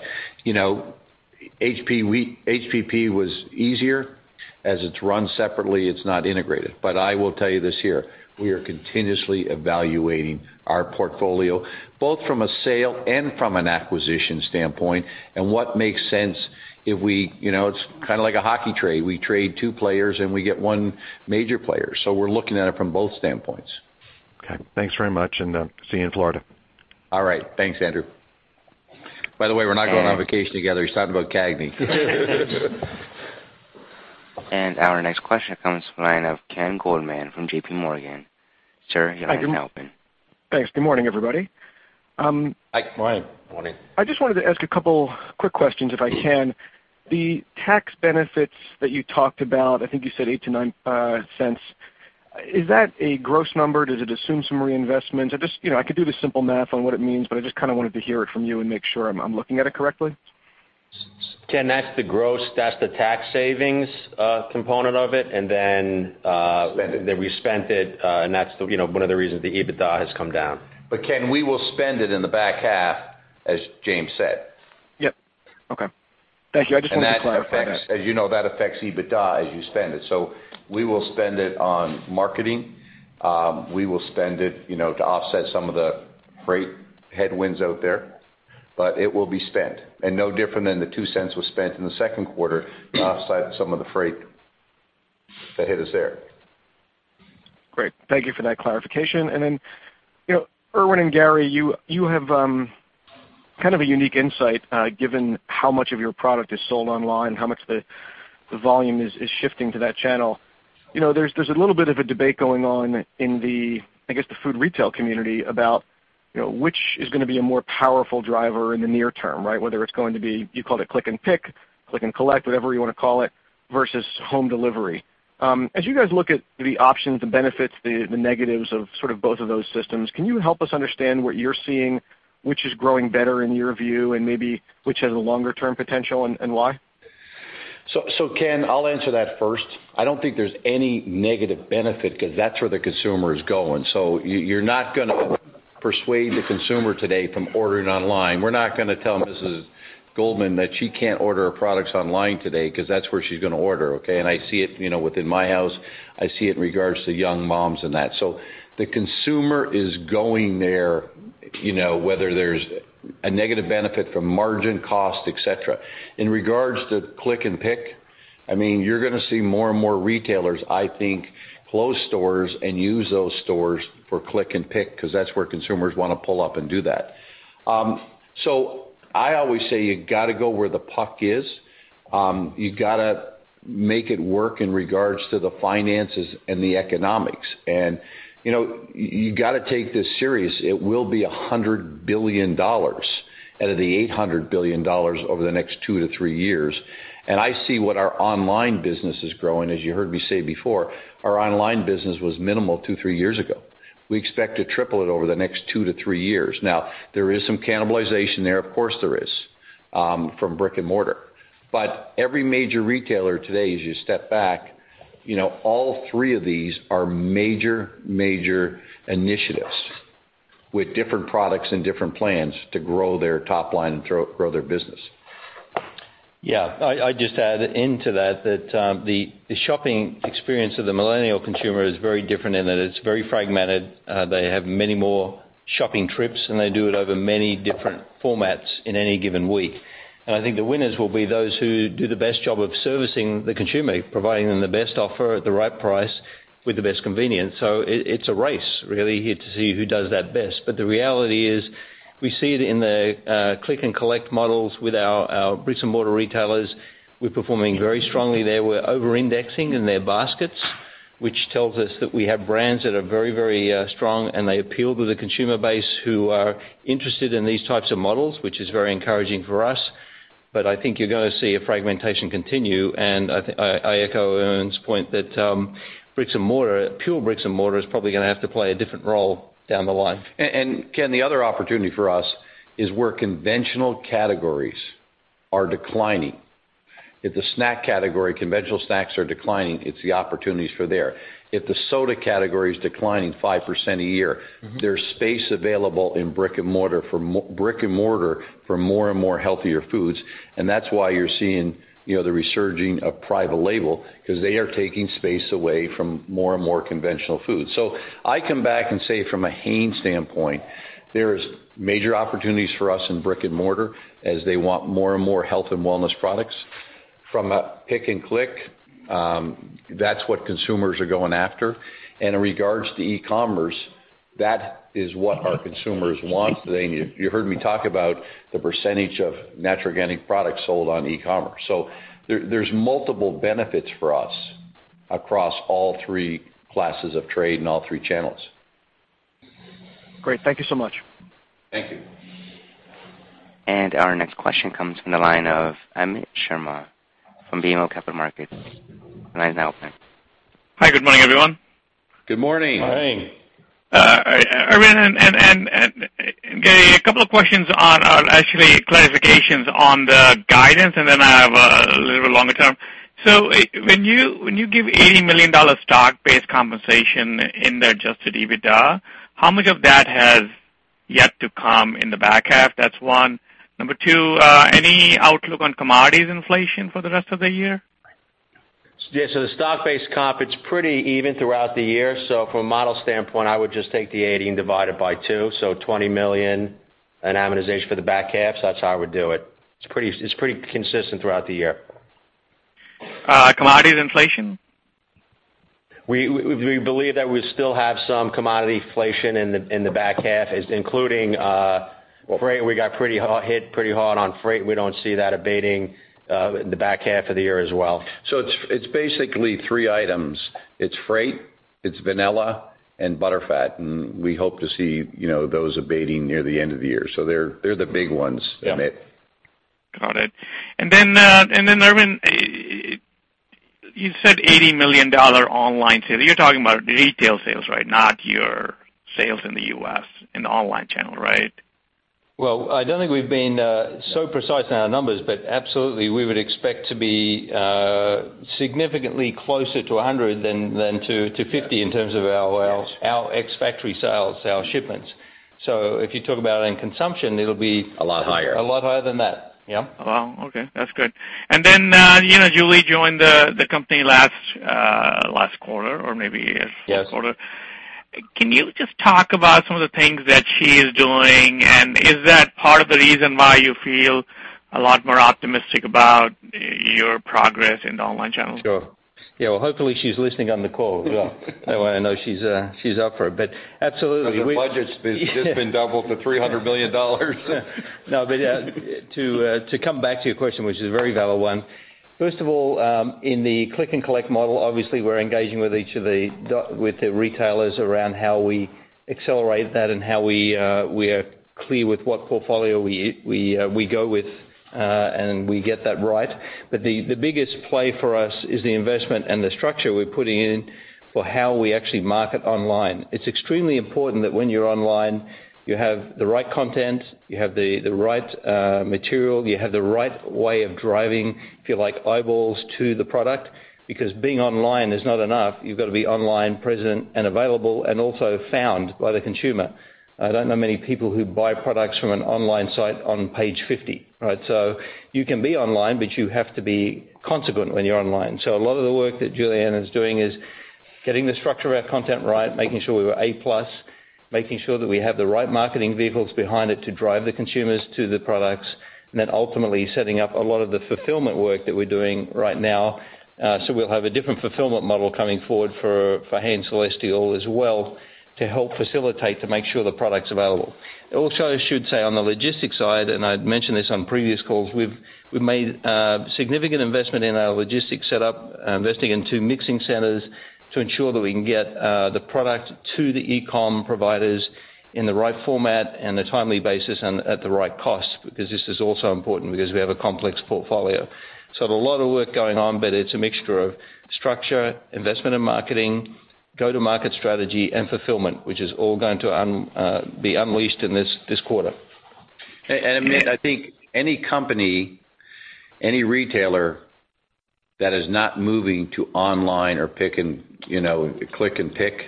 HPP was easier as it's run separately, it's not integrated. I will tell you this here, we are continuously evaluating our portfolio, both from a sale and from an acquisition standpoint, and what makes sense if It's kind of like a hockey trade. We trade two players, and we get one major player. We're looking at it from both standpoints. Okay, thanks very much. See you in Florida. All right. Thanks, Andrew. By the way, we're not going on vacation together. He's talking about CAGNY. Our next question comes from the line of Ken Goldman from J.P. Morgan. Sir, your line is now open. Thanks. Good morning, everybody. Hi, Ken. Morning. I just wanted to ask a couple quick questions if I can. The tax benefits that you talked about, I think you said $0.08-$0.09, is that a gross number? Does it assume some reinvestment? I could do the simple math on what it means, I just kind of wanted to hear it from you and make sure I'm looking at it correctly. Ken, that's the gross. That's the tax savings component of it, that we spent it, and that's one of the reasons the EBITDA has come down. Ken, we will spend it in the back half, as James said. Yep. Okay. Thank you. I just wanted to clarify that. As you know, that affects EBITDA as you spend it. We will spend it on marketing. We will spend it to offset some of the freight headwinds out there. It will be spent, and no different than the $0.02 was spent in the second quarter to offset some of the freight that hit us there. Great. Thank you for that clarification. Then, Irwin and Gary, you have kind of a unique insight, given how much of your product is sold online, how much the volume is shifting to that channel. There's a little bit of a debate going on in the, I guess, the food retail community about which is going to be a more powerful driver in the near term, right? Whether it's going to be, you called it click and pick, click and collect, whatever you want to call it, versus home delivery. As you guys look at the options, the benefits, the negatives of sort of both of those systems, can you help us understand what you're seeing, which is growing better in your view, and maybe which has a longer-term potential and why? Ken, I'll answer that first. I don't think there's any negative benefit because that's where the consumer is going. You're not going to persuade the consumer today from ordering online. We're not going to tell Mrs. Goldman that she can't order our products online today because that's where she's going to order, okay? I see it within my house. I see it in regards to young moms and that. The consumer is going there, whether there's a negative benefit from margin cost, et cetera. In regards to click and pick, you're going to see more and more retailers, I think, close stores and use those stores for click and pick because that's where consumers want to pull up and do that. I always say you got to go where the puck is. You got to make it work in regards to the finances and the economics. You got to take this serious. It will be $100 billion out of the $800 billion over the next two to three years. I see what our online business is growing. As you heard me say before, our online business was minimal two, three years ago. We expect to triple it over the next two to three years. There is some cannibalization there, of course there is, from brick and mortar. Every major retailer today, as you step back, all three of these are major initiatives with different products and different plans to grow their top line and grow their business. I just add into that the shopping experience of the millennial consumer is very different in that it's very fragmented. They have many more shopping trips, and they do it over many different formats in any given week. I think the winners will be those who do the best job of servicing the consumer, providing them the best offer at the right price with the best convenience. It's a race, really, here to see who does that best. The reality is, we see it in the click and collect models with our bricks and mortar retailers. We're performing very strongly there. We're over-indexing in their baskets, which tells us that we have brands that are very, very strong, and they appeal to the consumer base who are interested in these types of models, which is very encouraging for us. I think you're going to see a fragmentation continue, and I echo Irwin's point that pure bricks and mortar is probably gonna have to play a different role down the line. Ken, the other opportunity for us is where conventional categories are declining. If the snack category, conventional snacks are declining, it's the opportunities for there. If the soda category is declining 5% a year. There's space available in brick and mortar for more and more healthier foods, that's why you're seeing the resurging of private label, because they are taking space away from more and more conventional foods. I come back and say from a Hain standpoint, there is major opportunities for us in brick and mortar as they want more and more health and wellness products. From a pick and click, that's what consumers are going after. In regards to e-commerce, that is what our consumers want today. You heard me talk about the % of natural organic products sold on e-commerce. There's multiple benefits for us across all three classes of trade and all three channels. Great. Thank you so much. Thank you. Our next question comes from the line of Amit Sharma from BMO Capital Markets. The line is now open. Hi. Good morning, everyone. Good morning. Morning. Irwin and Gary, a couple of questions or actually clarifications on the guidance, then I have a little bit longer term. When you give $80 million stock-based compensation in the adjusted EBITDA, how much of that has yet to come in the back half? That's one. Number 2, any outlook on commodities inflation for the rest of the year? Yeah. The stock-based comp, it's pretty even throughout the year. From a model standpoint, I would just take the 80 and divide it by two. $20 million in amortization for the back half. That's how I would do it. It's pretty consistent throughout the year. Commodities inflation? We believe that we still have some commodity inflation in the back half, including freight. We got hit pretty hard on freight. We don't see that abating in the back half of the year as well. It's basically three items. It's freight, it's vanilla, and butterfat, and we hope to see those abating near the end of the year. They're the big ones, Amit. Got it. Irwin, you said $80 million online sales. You're talking about retail sales, right? Not your sales in the U.S. in the online channel, right? Well, I don't think we've been so precise in our numbers, but absolutely, we would expect to be significantly closer to 100 than to 50 in terms of our ex-factory sales, our shipments. If you talk about it in consumption, it'll be. A lot higher. a lot higher than that. Yep. Wow, okay. That's good. Julie joined the company last quarter, or maybe a quarter. Yes. Can you just talk about some of the things that she's doing, and is that part of the reason why you feel a lot more optimistic about your progress in the online channel? Sure. Yeah, well, hopefully she's listening on the call as well. That way I know she's up for it. Absolutely. Her budget's just been doubled to $300 million. To come back to your question, which is a very valid one. First of all, in the click and collect model, obviously we're engaging with the retailers around how we accelerate that and how we are clear with what portfolio we go with, and we get that right. The biggest play for us is the investment and the structure we're putting in for how we actually market online. It's extremely important that when you're online, you have the right content, you have the right material, you have the right way of driving, if you like, eyeballs to the product. Being online is not enough. You've got to be online, present, and available, and also found by the consumer. I don't know many people who buy products from an online site on page 50, right? You can be online, you have to be consequent when you're online. A lot of the work that Juliana is doing is getting the structure of our content right, making sure we were A-plus, making sure that we have the right marketing vehicles behind it to drive the consumers to the products, ultimately setting up a lot of the fulfillment work that we're doing right now. We'll have a different fulfillment model coming forward for Hain Celestial as well to help facilitate to make sure the product's available. I also should say, on the logistics side, I'd mentioned this on previous calls, we've made a significant investment in our logistics setup, investing in two mixing centers to ensure that we can get the product to the e-com providers in the right format and a timely basis and at the right cost. This is also important because we have a complex portfolio. A lot of work going on, it's a mixture of structure, investment in marketing, go-to-market strategy, and fulfillment, which is all going to be unleashed in this quarter. Amit, I think any company, any retailer that is not moving to online or click and pick,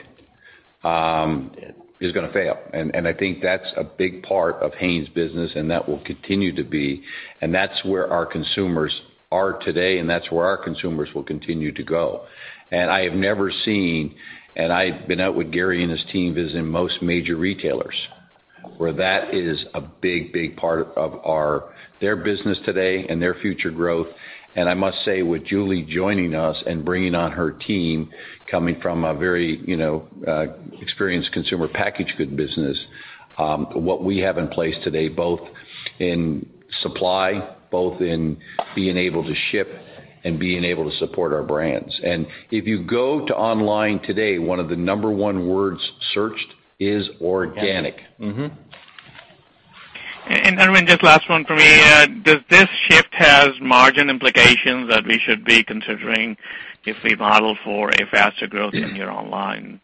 is going to fail. I think that's a big part of Hain's business and that will continue to be. That's where our consumers are today, that's where our consumers will continue to go. I have never seen, I've been out with Gary and his team visiting most major retailers, where that is a big, big part of their business today and their future growth. I must say, with Julie joining us and bringing on her team, coming from a very experienced consumer packaged good business, what we have in place today, both in supply, both in being able to ship and being able to support our brands. If you go to online today, one of the number one words searched is organic. Irwin, just last one from me. Does this shift have margin implications that we should be considering if we model for a faster growth in your online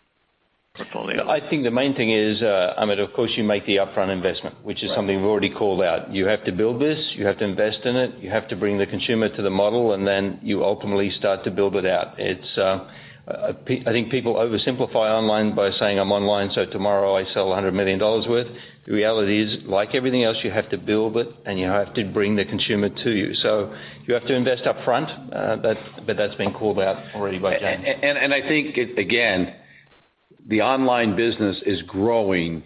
portfolio? I think the main thing is, Amit, of course, you make the upfront investment. Right Which is something we've already called out. You have to build this, you have to invest in it, you have to bring the consumer to the model, and then you ultimately start to build it out. I think people oversimplify online by saying, "I'm online, so tomorrow I sell $100 million worth." The reality is, like everything else, you have to build it, and you have to bring the consumer to you. You have to invest upfront, but that's been called out already by James. I think, again, the online business is growing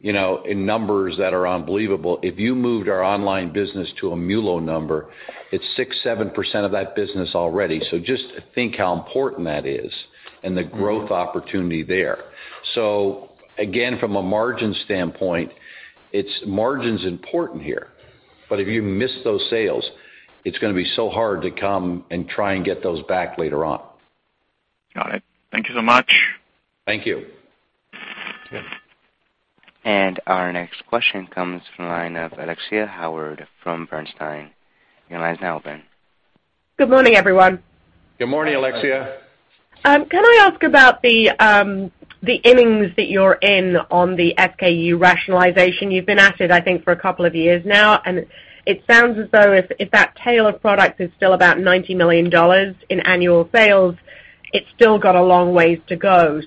in numbers that are unbelievable. If you moved our online business to a MULO number, it's 6%, 7% of that business already. Just think how important that is and the growth opportunity there. Again, from a margin standpoint, margin's important here, but if you miss those sales, it's going to be so hard to come and try and get those back later on. Got it. Thank you so much. Thank you. Yeah. Our next question comes from the line of Alexia Howard from Bernstein. Your line is now open. Good morning, everyone. Good morning, Alexia. Can I ask about the innings that you're in on the SKU rationalization? You've been at it, I think, for a couple of years now, and it sounds as though if that tail of product is still about $90 million in annual sales, it's still got a long ways to go.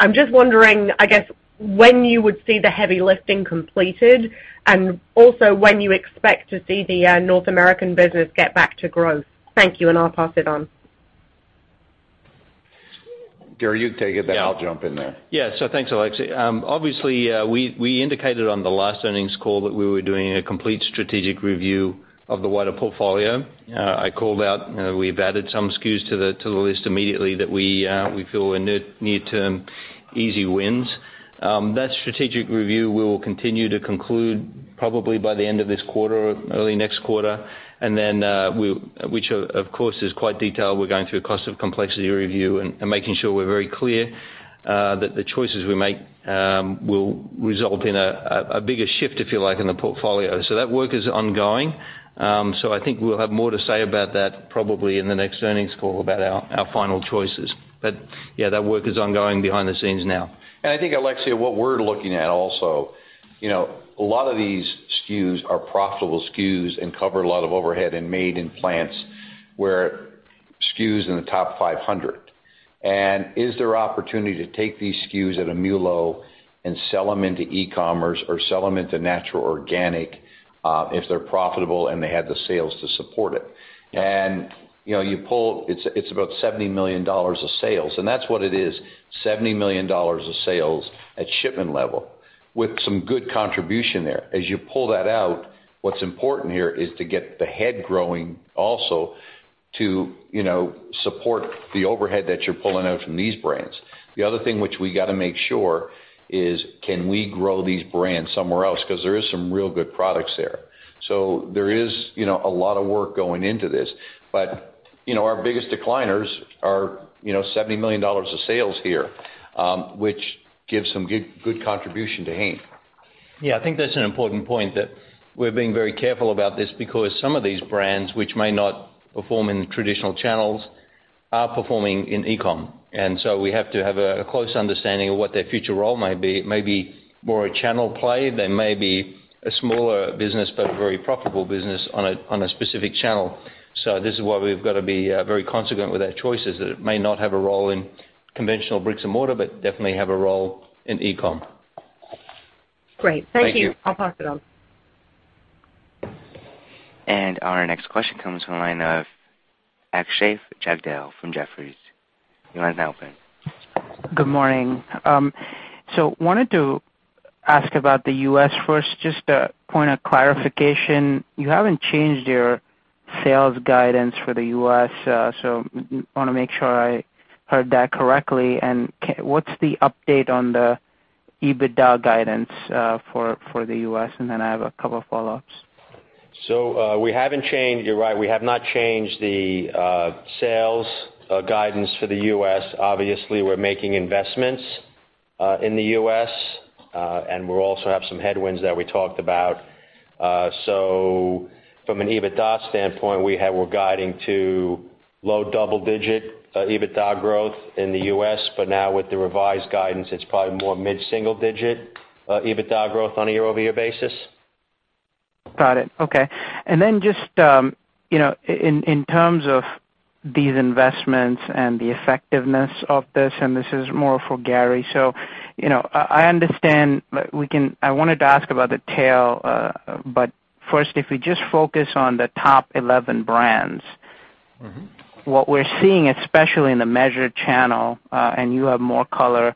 I'm just wondering, I guess, when you would see the heavy lifting completed, and also when you expect to see the North American business get back to growth. Thank you, and I'll pass it on. Gary, you take it, I'll jump in there. Yeah. Thanks, Alexia. Obviously, we indicated on the last earnings call that we were doing a complete strategic review of the wider portfolio. I called out, we've added some SKUs to the list immediately that we feel are near-term easy wins. That strategic review will continue to conclude probably by the end of this quarter or early next quarter, which, of course, is quite detailed. We're going through a cost of complexity review and making sure we're very clear that the choices we make will result in a bigger shift, if you like, in the portfolio. That work is ongoing. I think we'll have more to say about that probably in the next earnings call about our final choices. Yeah, that work is ongoing behind the scenes now. I think, Alexia, what we're looking at also, a lot of these SKUs are profitable SKUs and cover a lot of overhead and made in plants where SKUs in the top 500. Is there opportunity to take these SKUs at a MULO and sell them into e-commerce or sell them into natural organic, if they're profitable and they have the sales to support it? It's about $70 million of sales. That's what it is, $70 million of sales at shipment level with some good contribution there. As you pull that out, what's important here is to get the head growing also to support the overhead that you're pulling out from these brands. The other thing which we got to make sure is, can we grow these brands somewhere else? Because there is some real good products there. There is a lot of work going into this. Our biggest decliners are $70 million of sales here, which gives some good contribution to Hain. I think that's an important point that we're being very careful about this because some of these brands, which may not perform in the traditional channels, are performing in e-com. We have to have a close understanding of what their future role may be. It may be more a channel play. They may be a smaller business, but a very profitable business on a specific channel. This is why we've got to be very consequent with our choices, that it may not have a role in conventional bricks and mortar, but definitely have a role in e-com. Great. Thank you. Thank you. I'll pass it on. Our next question comes from the line of Akshay Jagdale from Jefferies. Your line is now open. Good morning. Wanted to ask about the U.S. first, just a point of clarification. You haven't changed your sales guidance for the U.S., so want to make sure I heard that correctly. What's the update on the EBITDA guidance for the U.S.? Then I have a couple follow-ups. We haven't changed. You're right, we have not changed the sales guidance for the U.S. Obviously, we're making investments in the U.S., and we also have some headwinds that we talked about. From an EBITDA standpoint, we're guiding to low double-digit EBITDA growth in the U.S., but now with the revised guidance, it's probably more mid-single digit EBITDA growth on a year-over-year basis. Got it. Okay. Just in terms of these investments and the effectiveness of this, and this is more for Gary. I understand, I wanted to ask about the tail, but first, if we just focus on the top 11 brands What we're seeing, especially in the measured channel, and you have more color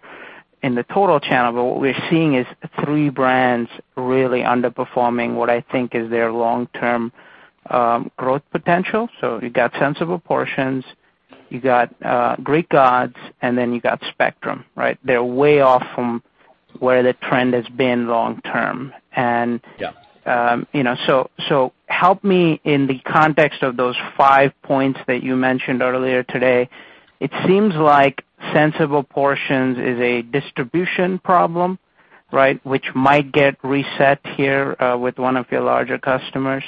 in the total channel, but what we're seeing is three brands really underperforming what I think is their long-term growth potential. You got Sensible Portions, you got Greek Gods, and you got Spectrum, right? They're way off from where the trend has been long term and Yeah Help me in the context of those five points that you mentioned earlier today. It seems like Sensible Portions is a distribution problem, right? Which might get reset here with one of your larger customers.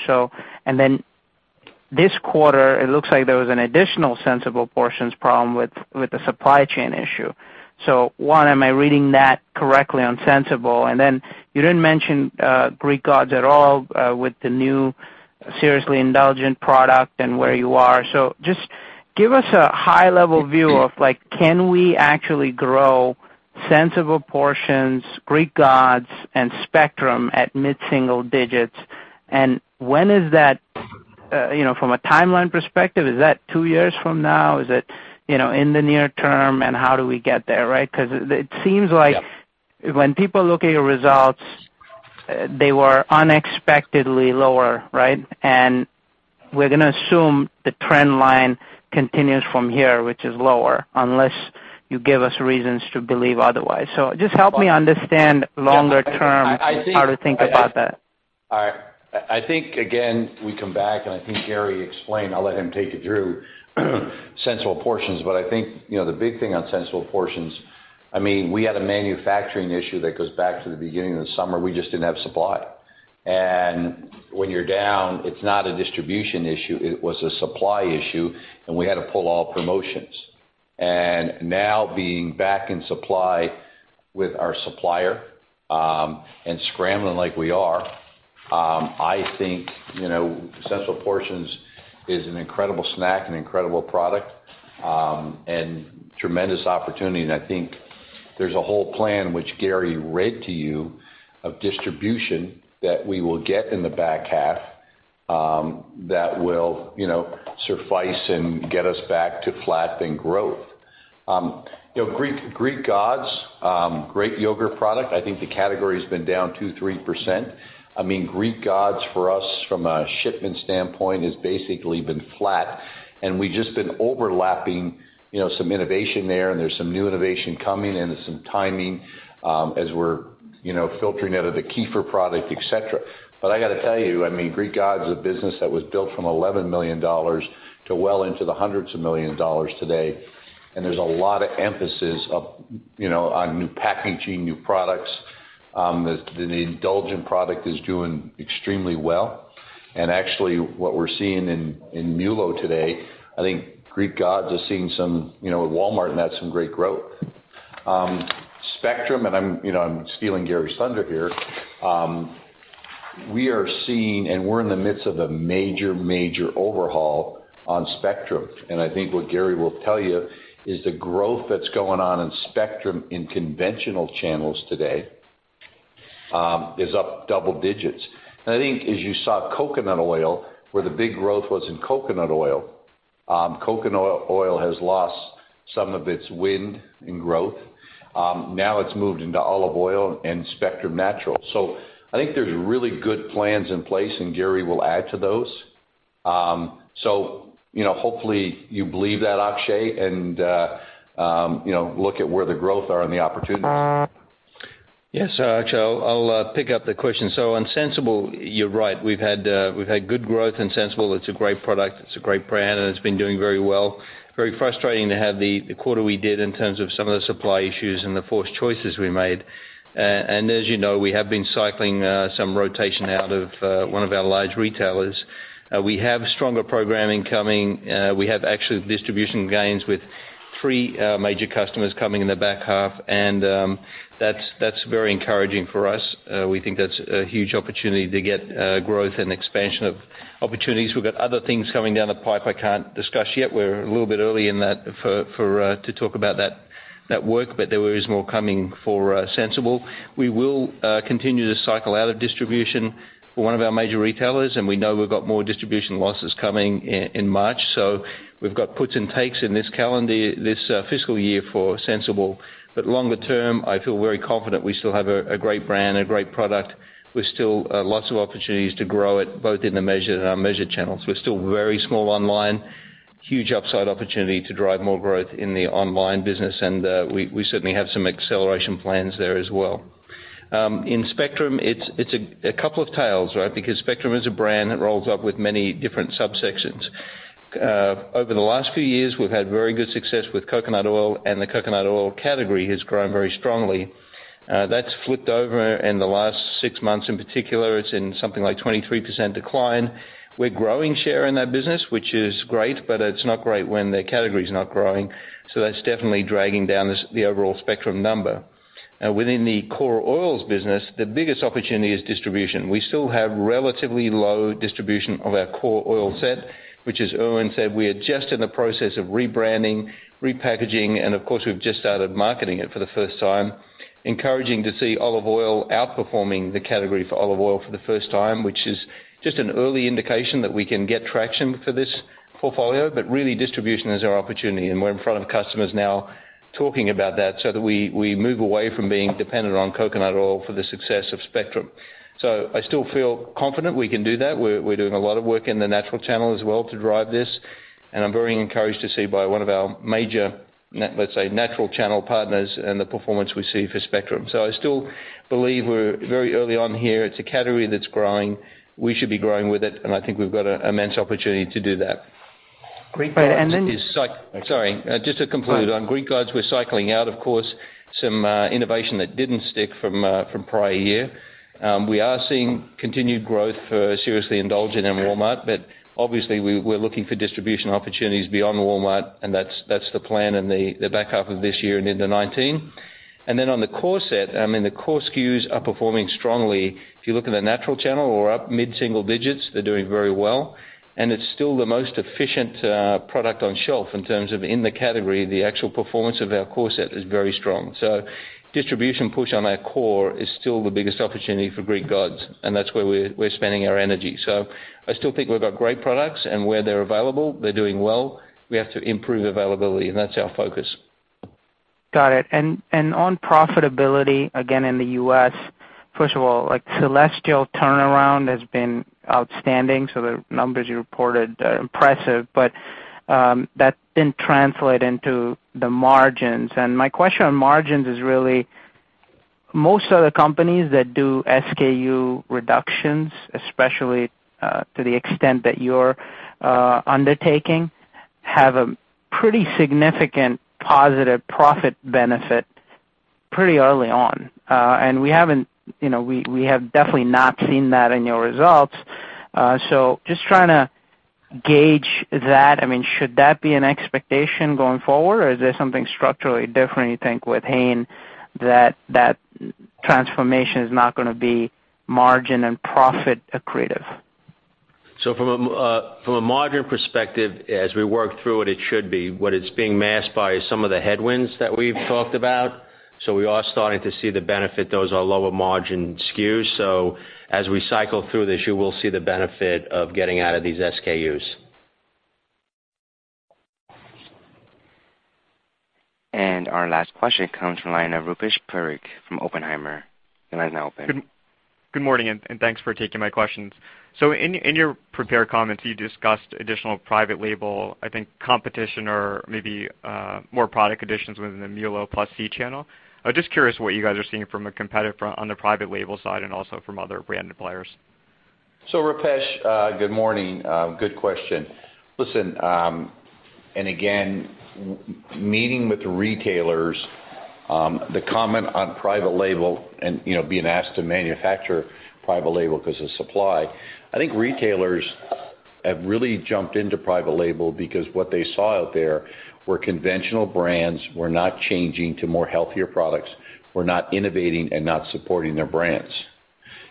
This quarter, it looks like there was an additional Sensible Portions problem with the supply chain issue. 1, am I reading that correctly on Sensible? You didn't mention Greek Gods at all with the new Seriously Indulgent product and where you are. Just give us a high level view of like, can we actually grow Sensible Portions, Greek Gods, and Spectrum at mid-single digits? When is that from a timeline perspective, is that two years from now? Is it in the near term? How do we get there, right? It seems like Yeah When people look at your results, they were unexpectedly lower, right? We're going to assume the trend line continues from here, which is lower, unless you give us reasons to believe otherwise. Just help me understand longer term how to think about that. I think, again, we come back, I think Gary explained, I'll let him take you through Sensible Portions. I think the big thing on Sensible Portions, we had a manufacturing issue that goes back to the beginning of the summer. We just didn't have supply. When you're down, it's not a distribution issue, it was a supply issue, and we had to pull all promotions. Now being back in supply with our supplier, and scrambling like we are, I think Sensible Portions is an incredible snack and incredible product, and tremendous opportunity. I think there's a whole plan which Gary read to you of distribution that we will get in the back half, that will suffice and get us back to flat then growth. Greek Gods, great yogurt product. I think the category's been down 2%, 3%. Greek Gods, for us, from a shipment standpoint, has basically been flat. We've just been overlapping some innovation there. There's some new innovation coming, and there's some timing, as we're filtering out of the kefir product, et cetera. I got to tell you, Greek Gods is a business that was built from $11 million to well into the hundreds of million dollars today. There's a lot of emphasis on new packaging, new products. The Indulgent product is doing extremely well. Actually, what we're seeing in MULO today, I think Greek Gods is seeing some With Walmart and that's some great growth. Spectrum, and I'm stealing Gary's thunder here, we are seeing, and we're in the midst of a major overhaul on Spectrum. I think what Gary will tell you is the growth that's going on in Spectrum in conventional channels today is up double digits. I think as you saw coconut oil, where the big growth was in coconut oil. Coconut oil has lost some of its wind in growth. Now it's moved into olive oil and Spectrum natural. I think there's really good plans in place, and Gary will add to those. Hopefully you believe that, Akshay, and look at where the growth are and the opportunities. Yes, Akshay, I'll pick up the question. On Sensible, you're right. We've had good growth in Sensible. It's a great product, it's a great brand, and it's been doing very well. Very frustrating to have the quarter we did in terms of some of the supply issues and the forced choices we made. As you know, we have been cycling some rotation out of one of our large retailers. We have stronger programming coming. We have actual distribution gains with Three major customers coming in the back half, and that's very encouraging for us. We think that's a huge opportunity to get growth and expansion of opportunities. We've got other things coming down the pipe I can't discuss yet. We're a little bit early in that to talk about that work, but there is more coming for Sensible. We will continue to cycle out of distribution for one of our major retailers, and we know we've got more distribution losses coming in March. We've got puts and takes in this fiscal year for Sensible. Longer term, I feel very confident we still have a great brand, a great product, with still lots of opportunities to grow it, both in the measured and unmeasured channels. We're still very small online. Huge upside opportunity to drive more growth in the online business. We certainly have some acceleration plans there as well. In Spectrum, it's a couple of tails, right? Because Spectrum is a brand that rolls up with many different subsections. Over the last few years, we've had very good success with coconut oil, and the coconut oil category has grown very strongly. That's flipped over in the last six months. In particular, it's in something like 23% decline. We're growing share in that business, which is great, but it's not great when the category's not growing. That's definitely dragging down the overall Spectrum number. Within the core oils business, the biggest opportunity is distribution. We still have relatively low distribution of our core oil set, which, as Irwin said, we are just in the process of rebranding, repackaging, and of course, we've just started marketing it for the first time. Encouraging to see olive oil outperforming the category for olive oil for the first time, which is just an early indication that we can get traction for this portfolio. Really, distribution is our opportunity, and we're in front of customers now talking about that so that we move away from being dependent on coconut oil for the success of Spectrum. I still feel confident we can do that. We're doing a lot of work in the natural channel as well to drive this, and I'm very encouraged to see by one of our major, let's say, natural channel partners and the performance we see for Spectrum. I still believe we're very early on here. It's a category that's growing. We should be growing with it, and I think we've got an immense opportunity to do that. Great. Sorry, just to conclude on Greek Gods, we're cycling out, of course, some innovation that didn't stick from prior year. We are seeing continued growth for Seriously Indulgent in Walmart, obviously, we're looking for distribution opportunities beyond Walmart, and that's the plan in the back half of this year and into 2019. On the core set, the core SKUs are performing strongly. If you look in the natural channel, we're up mid-single digits. They're doing very well. It's still the most efficient product on shelf in terms of in the category, the actual performance of our core set is very strong. Distribution push on our core is still the biggest opportunity for Greek Gods, and that's where we're spending our energy. I still think we've got great products, and where they're available, they're doing well. We have to improve availability, and that's our focus. Got it. On profitability, again, in the U.S., first of all, Celestial turnaround has been outstanding. The numbers you reported are impressive, but that didn't translate into the margins. My question on margins is really, most of the companies that do SKU reductions, especially to the extent that you're undertaking, have a pretty significant positive profit benefit pretty early on. We have definitely not seen that in your results. Just trying to gauge that. Should that be an expectation going forward, or is there something structurally different you think with Hain that that transformation is not going to be margin and profit accretive? From a margin perspective, as we work through it should be. What it's being masked by is some of the headwinds that we've talked about. We are starting to see the benefit. Those are lower margin SKUs. As we cycle through this, you will see the benefit of getting out of these SKUs. Our last question comes from the line of Rupesh Parikh from Oppenheimer. The line is now open. Good morning, and thanks for taking my questions. In your prepared comments, you discussed additional private label, I think competition or maybe more product additions within the MULO+C channel. I was just curious what you guys are seeing from a competitive on the private label side and also from other brand suppliers. Rupesh, good morning. Good question. Listen, and again, meeting with retailers, the comment on private label and being asked to manufacture private label because of supply, I think retailers have really jumped into private label because what they saw out there were conventional brands were not changing to more healthier products, were not innovating and not supporting their brands.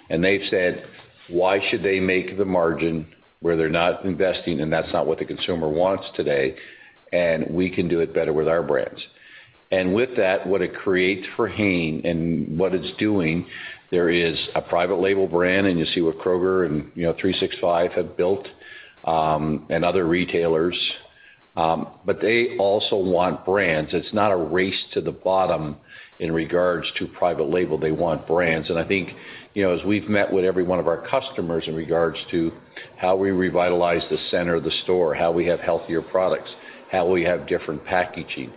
They've said, why should they make the margin where they're not investing and that's not what the consumer wants today, and we can do it better with our brands. With that, what it creates for Hain and what it's doing, there is a private label brand, and you see what Kroger and 365 have built, and other retailers. They also want brands. It's not a race to the bottom in regards to private label. They want brands. I think, as we've met with every one of our customers in regards to how we revitalize the center of the store, how we have healthier products, how we have different packaging,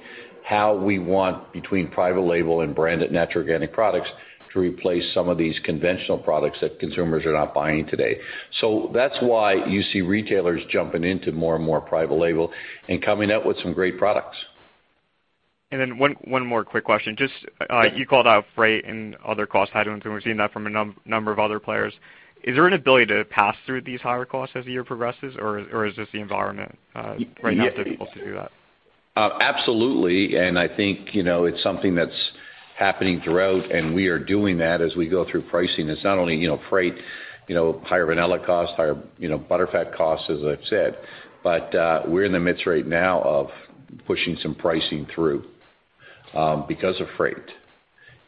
how we want between private label and branded natural organic products to replace some of these conventional products that consumers are not buying today. That's why you see retailers jumping into more and more private label and coming out with some great products. One more quick question. Yeah You called out freight and other cost headwinds, we're seeing that from a number of other players. Is there an ability to pass through these higher costs as the year progresses, or is just the environment right now difficult to do that? Absolutely. I think it's something that's happening throughout, and we are doing that as we go through pricing. It's not only freight, higher vanilla costs, higher butterfat costs, as I've said. We're in the midst right now of pushing some pricing through because of freight,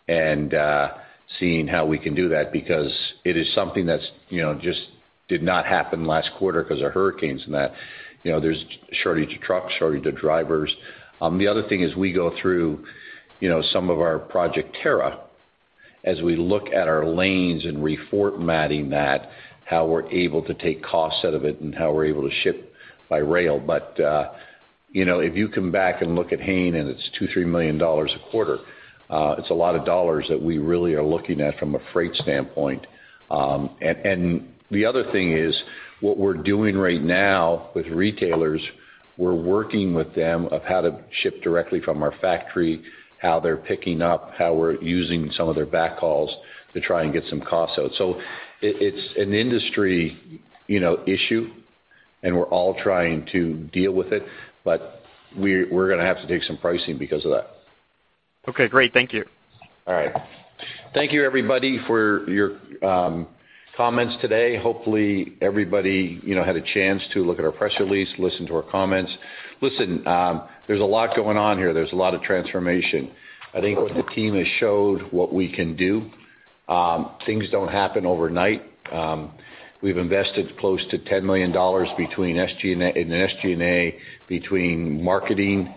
and seeing how we can do that because it is something that just did not happen last quarter because of hurricanes and that. There's a shortage of trucks, shortage of drivers. The other thing is we go through some of our Project Terra as we look at our lanes and reformatting that, how we're able to take costs out of it and how we're able to ship by rail. If you come back and look at Hain, and it's $2 million, $3 million a quarter, it's a lot of dollars that we really are looking at from a freight standpoint. The other thing is what we're doing right now with retailers, we're working with them of how to ship directly from our factory, how they're picking up, how we're using some of their backhauls to try and get some costs out. It's an industry issue, and we're all trying to deal with it. We're going to have to take some pricing because of that. Okay, great. Thank you. Thank you, everybody, for your comments today. Hopefully, everybody had a chance to look at our press release, listen to our comments. Listen, there's a lot going on here. There's a lot of transformation. I think what the team has showed what we can do. Things don't happen overnight. We've invested close to $10 million in SG&A between marketing,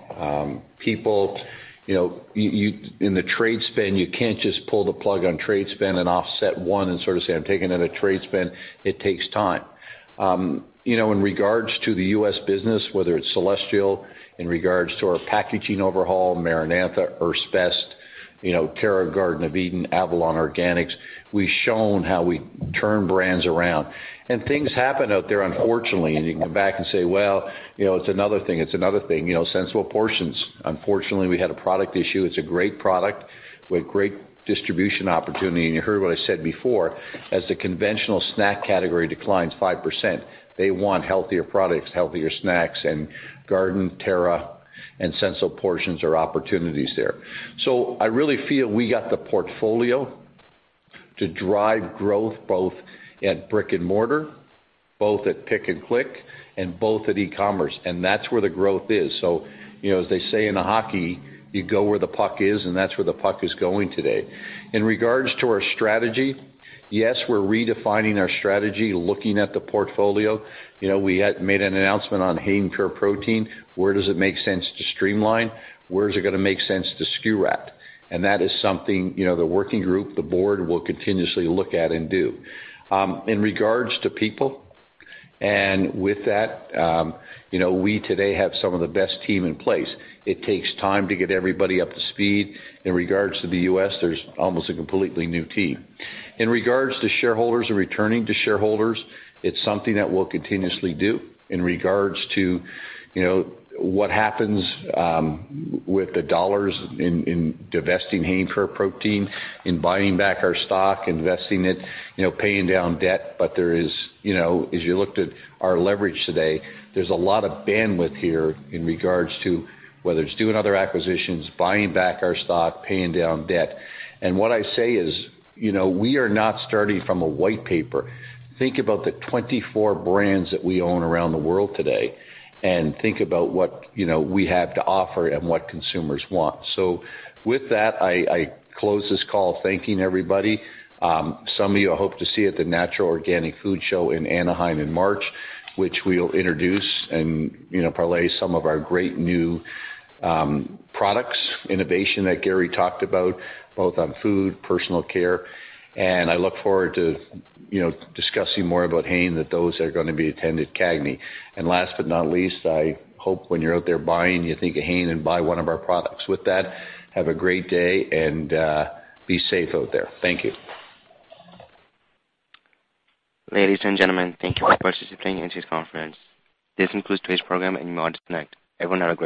people. The trade spend, you can't just pull the plug on trade spend and offset one and sort of say, "I'm taking it a trade spend." It takes time. In regards to the U.S. business, whether it's Celestial, in regards to our packaging overhaul, MaraNatha, Earth's Best, Terra, Garden of Eatin', Avalon Organics, we've shown how we turn brands around. Things happen out there, unfortunately. You can come back and say, "Well, it's another thing. It's another thing." Sensible Portions, unfortunately, we had a product issue. It's a great product with great distribution opportunity. You heard what I said before, as the conventional snack category declines 5%, they want healthier products, healthier snacks. Garden, Terra, and Sensible Portions are opportunities there. I really feel we got the portfolio to drive growth both at brick and mortar, both at pick and click, and both at e-commerce, and that's where the growth is. As they say in hockey, you go where the puck is, and that's where the puck is going today. In regards to our strategy, yes, we're redefining our strategy, looking at the portfolio. We had made an announcement on Hain Pure Protein. Where does it make sense to streamline? Where is it going to make sense to SKU rat? That is something the working group, the board will continuously look at and do. In regards to people, with that, we today have some of the best team in place. It takes time to get everybody up to speed. In regards to the U.S., there's almost a completely new team. In regards to shareholders and returning to shareholders, it's something that we'll continuously do. In regards to what happens with the dollars in divesting Hain Pure Protein, in buying back our stock, investing it, paying down debt. As you looked at our leverage today, there's a lot of bandwidth here in regards to whether it's doing other acquisitions, buying back our stock, paying down debt. What I say is, we are not starting from a white paper. Think about the 24 brands that we own around the world today, and think about what we have to offer and what consumers want. With that, I close this call thanking everybody. Some of you I hope to see at the Natural Products Expo West in Anaheim in March, which we'll introduce and parlay some of our great new products, innovation that Gary talked about, both on food, personal care. I look forward to discussing more about Hain, that those are going to be attended CAGNY. Last but not least, I hope when you're out there buying, you think of Hain and buy one of our products. With that, have a great day, and be safe out there. Thank you. Ladies and gentlemen, thank you for participating in this conference. This concludes today's program, and you may disconnect. Everyone have a great day.